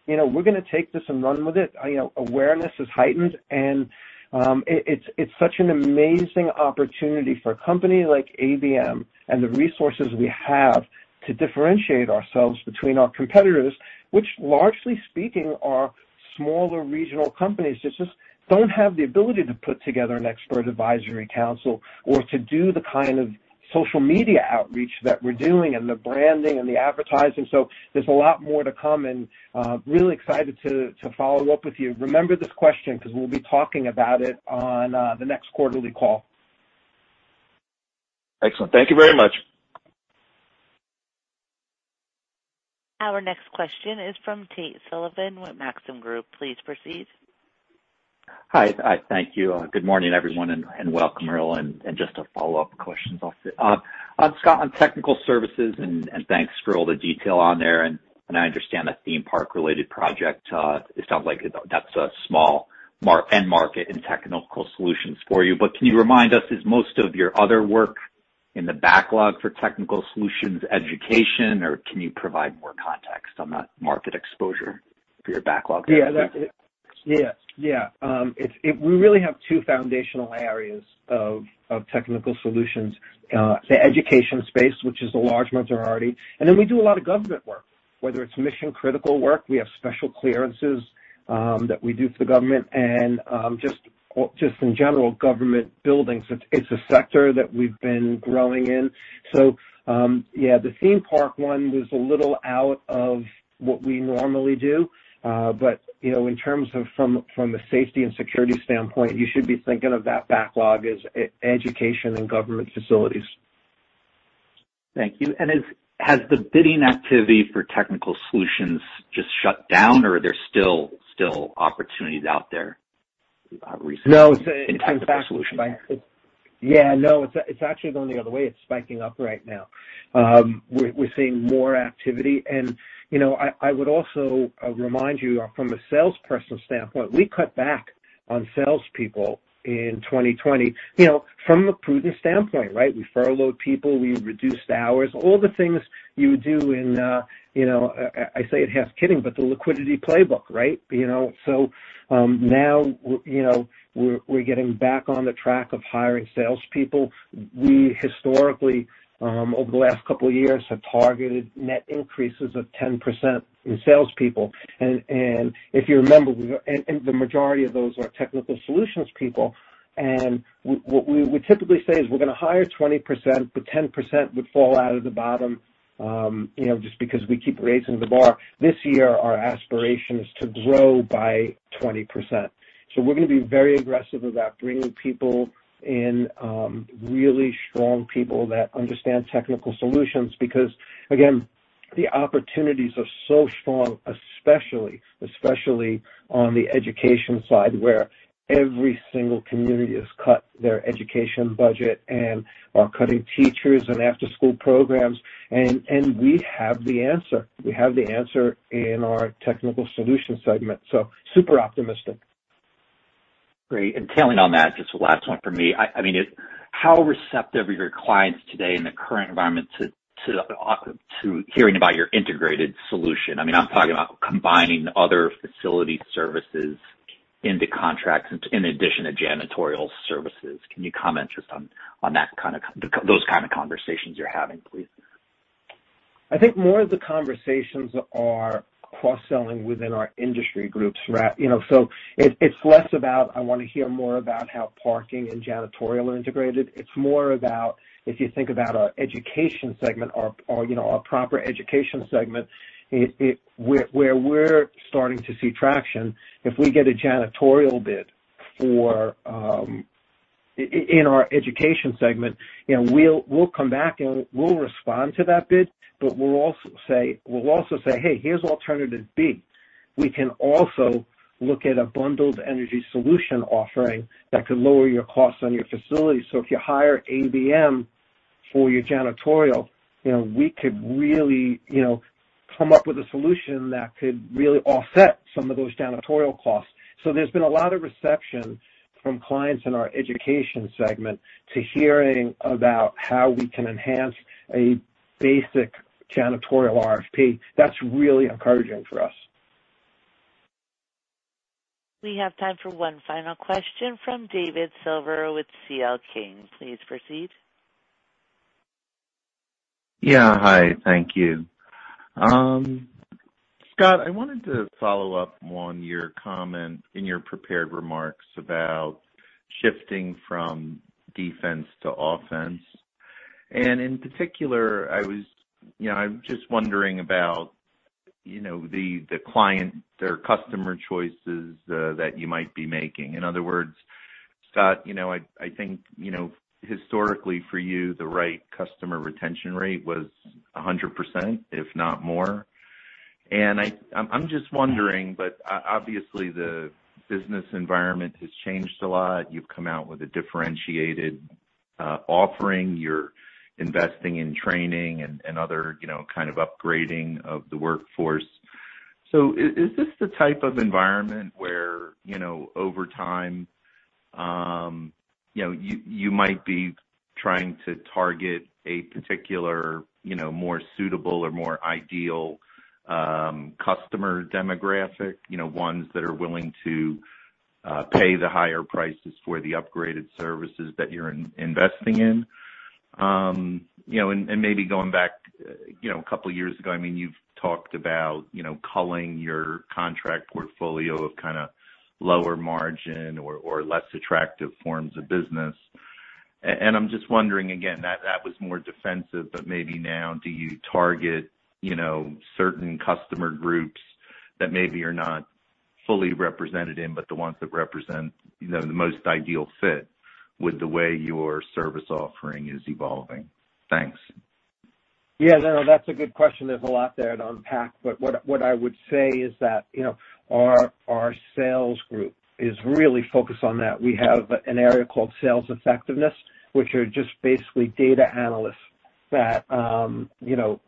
We're going to take this and run with it. Awareness is heightened. It's such an amazing opportunity for a company like ABM and the resources we have to differentiate ourselves between our competitors, which largely speaking are smaller regional companies that just don't have the ability to put together an expert advisory council or to do the kind of social media outreach that we're doing and the branding and the advertising. There's a lot more to come. Really excited to follow up with you. Remember this question because we'll be talking about it on the next quarterly call. Excellent. Thank you very much. Our next question is from Tate Sullivan with Maxim Group. Please proceed. Hi. Thank you. Good morning, everyone, and welcome, Earl. Just a follow-up question. Scott, on Technical Solutions, and thanks for all the detail on there. I understand the theme park-related project. It sounds like that's a small end market in Technical Solutions for you. Can you remind us, is most of your other work in the backlog for Technical Solutions Education, or can you provide more context on that market exposure for your backlog there? We really have two foundational areas of Technical Solutions. The Education, which is the large majority, and then we do a lot of government work, whether it's mission-critical work, we have special clearances that we do for the government, and just in general, government buildings. It's a sector that we've been growing in. The theme park one was a little out of what we normally do. In terms of from a safety and security standpoint, you should be thinking of that backlog as education and government facilities. Thank you. Has the bidding activity for Technical Solutions just shut down, or are there still opportunities out there recently in Technical Solutions? Yeah, no, it's actually going the other way. It's spiking up right now. We're seeing more activity. I would also remind you, from a salesperson standpoint, we cut back on salespeople in 2020 from a prudent standpoint, right? We furloughed people, we reduced hours, all the things you would do in, I say it half kidding, but the liquidity playbook, right? Now we're getting back on the track of hiring salespeople. We historically, over the last couple of years, have targeted net increases of 10% in salespeople. The majority of those are Technical Solutions people. What we would typically say is we're going to hire 20%, but 10% would fall out of the bottom, just because we keep raising the bar. This year, our aspiration is to grow by 20%. We're going to be very aggressive about bringing people in, really strong people that understand Technical Solutions. Because, again, the opportunities are so strong, especially on the Education side, where every single community has cut their Education budget and are cutting teachers and after-school programs. We have the answer. We have the answer in our Technical Solutions segment. Super optimistic. Great. Tailing on that, just the last one from me. How receptive are your clients today in the current environment to hearing about your integrated solution? I'm talking about combining other facility services into contracts in addition to janitorial services. Can you comment just on those kind of conversations you're having, please? I think more of the conversations are cross-selling within our industry groups. It's less about, I want to hear more about how parking and janitorial are integrated. It's more about if you think about our Education segment, our proper Education segment, where we're starting to see traction, if we get a janitorial bid in our Education segment, we'll come back and we'll respond to that bid, but we'll also say, "Hey, here's alternative B. We can also look at a Bundled Energy Solution offering that could lower your costs on your facility. If you hire ABM for your janitorial, we could really come up with a solution that could really offset some of those janitorial costs. There's been a lot of reception from clients in our Education segment to hearing about how we can enhance a basic janitorial RFP. That's really encouraging for us. We have time for one final question from David Silver with C.L. King. Please proceed. Yeah. Hi. Thank you. Scott, I wanted to follow up on your comment in your prepared remarks about shifting from defense to offense. In particular, I'm just wondering about the customer choices that you might be making. In other words, Scott, I think historically for you, the right customer retention rate was 100%, if not more. I'm just wondering, but obviously the business environment has changed a lot. You've come out with a differentiated offering. You're investing in training and other kind of upgrading of the workforce. Is this the type of environment where, over time, you might be trying to target a particular, more suitable or more ideal customer demographic? Ones that are willing to pay the higher prices for the upgraded services that you're investing in? Maybe going back a couple of years ago, you've talked about culling your contract portfolio of kind of lower margin or less attractive forms of business. I'm just wondering again, that was more defensive, but maybe now do you target certain customer groups that maybe are not fully represented in, but the ones that represent the most ideal fit with the way your service offering is evolving? Thanks. Yeah, David, that's a good question. There's a lot there to unpack. What I would say is that our sales group is really focused on that. We have an area called sales effectiveness, which are just basically data analysts that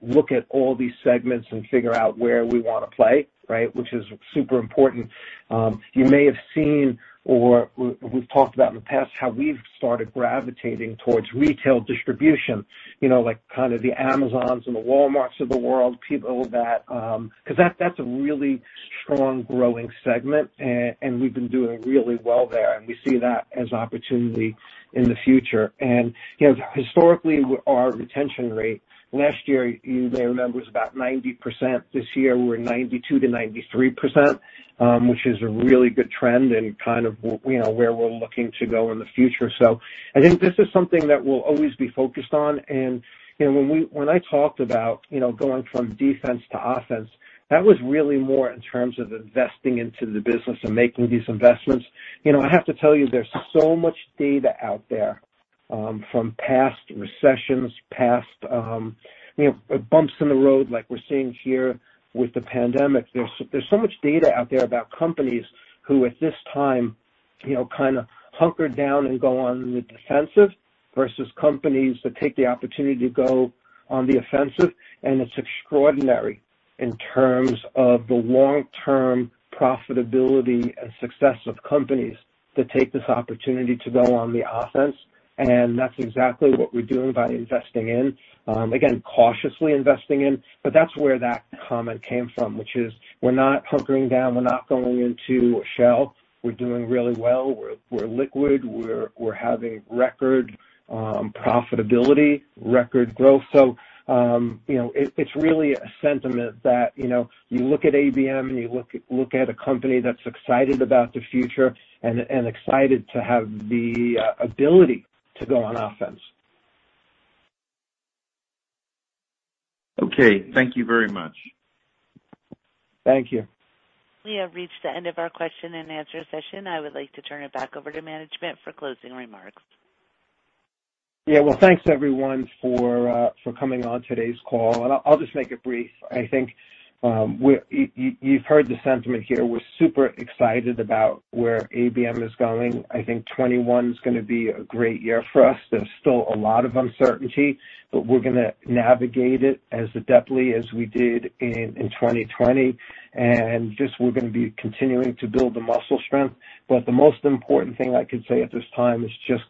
look at all these segments and figure out where we want to play, right? Which is super important. You may have seen or we've talked about in the past how we've started gravitating towards retail distribution. Like kind of the Amazons and the Walmarts of the world. Because that's a really strong growing segment, and we've been doing really well there, and we see that as opportunity in the future. Historically, our retention rate last year, you may remember, was about 90%. This year, we're 92%-93%, which is a really good trend and kind of where we're looking to go in the future. I think this is something that we'll always be focused on. When I talked about going from defense to offense, that was really more in terms of investing into the business and making these investments. I have to tell you, there's so much data out there from past recessions, past bumps in the road like we're seeing here with the pandemic. There's so much data out there about companies who at this time kind of hunker down and go on the defensive versus companies that take the opportunity to go on the offensive. It's extraordinary in terms of the long-term profitability and success of companies that take this opportunity to go on the offense. That's exactly what we're doing by investing in. Again, cautiously investing in, but that's where that comment came from, which is we're not hunkering down. We're not going into a shell. We're doing really well. We're liquid. We're having record profitability, record growth. It's really a sentiment that you look at ABM and you look at a company that's excited about the future and excited to have the ability to go on offense. Okay. Thank you very much. Thank you. We have reached the end of our question and answer session. I would like to turn it back over to management for closing remarks. Yeah. Well, thanks everyone for coming on today's call. I'll just make it brief. I think you've heard the sentiment here. We're super excited about where ABM is going. I think 2021 is going to be a great year for us. There's still a lot of uncertainty, we're going to navigate it as adeptly as we did in 2020. Just we're going to be continuing to build the muscle strength. The most important thing I could say at this time is just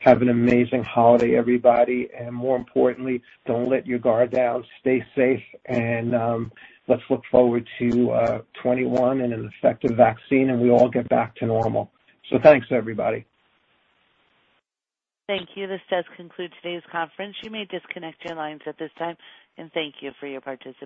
have an amazing holiday, everybody. More importantly, don't let your guard down. Stay safe, let's look forward to 2021 and an effective vaccine, and we all get back to normal. Thanks, everybody. Thank you. This does conclude today's conference. You may disconnect your lines at this time, and thank you for your participation.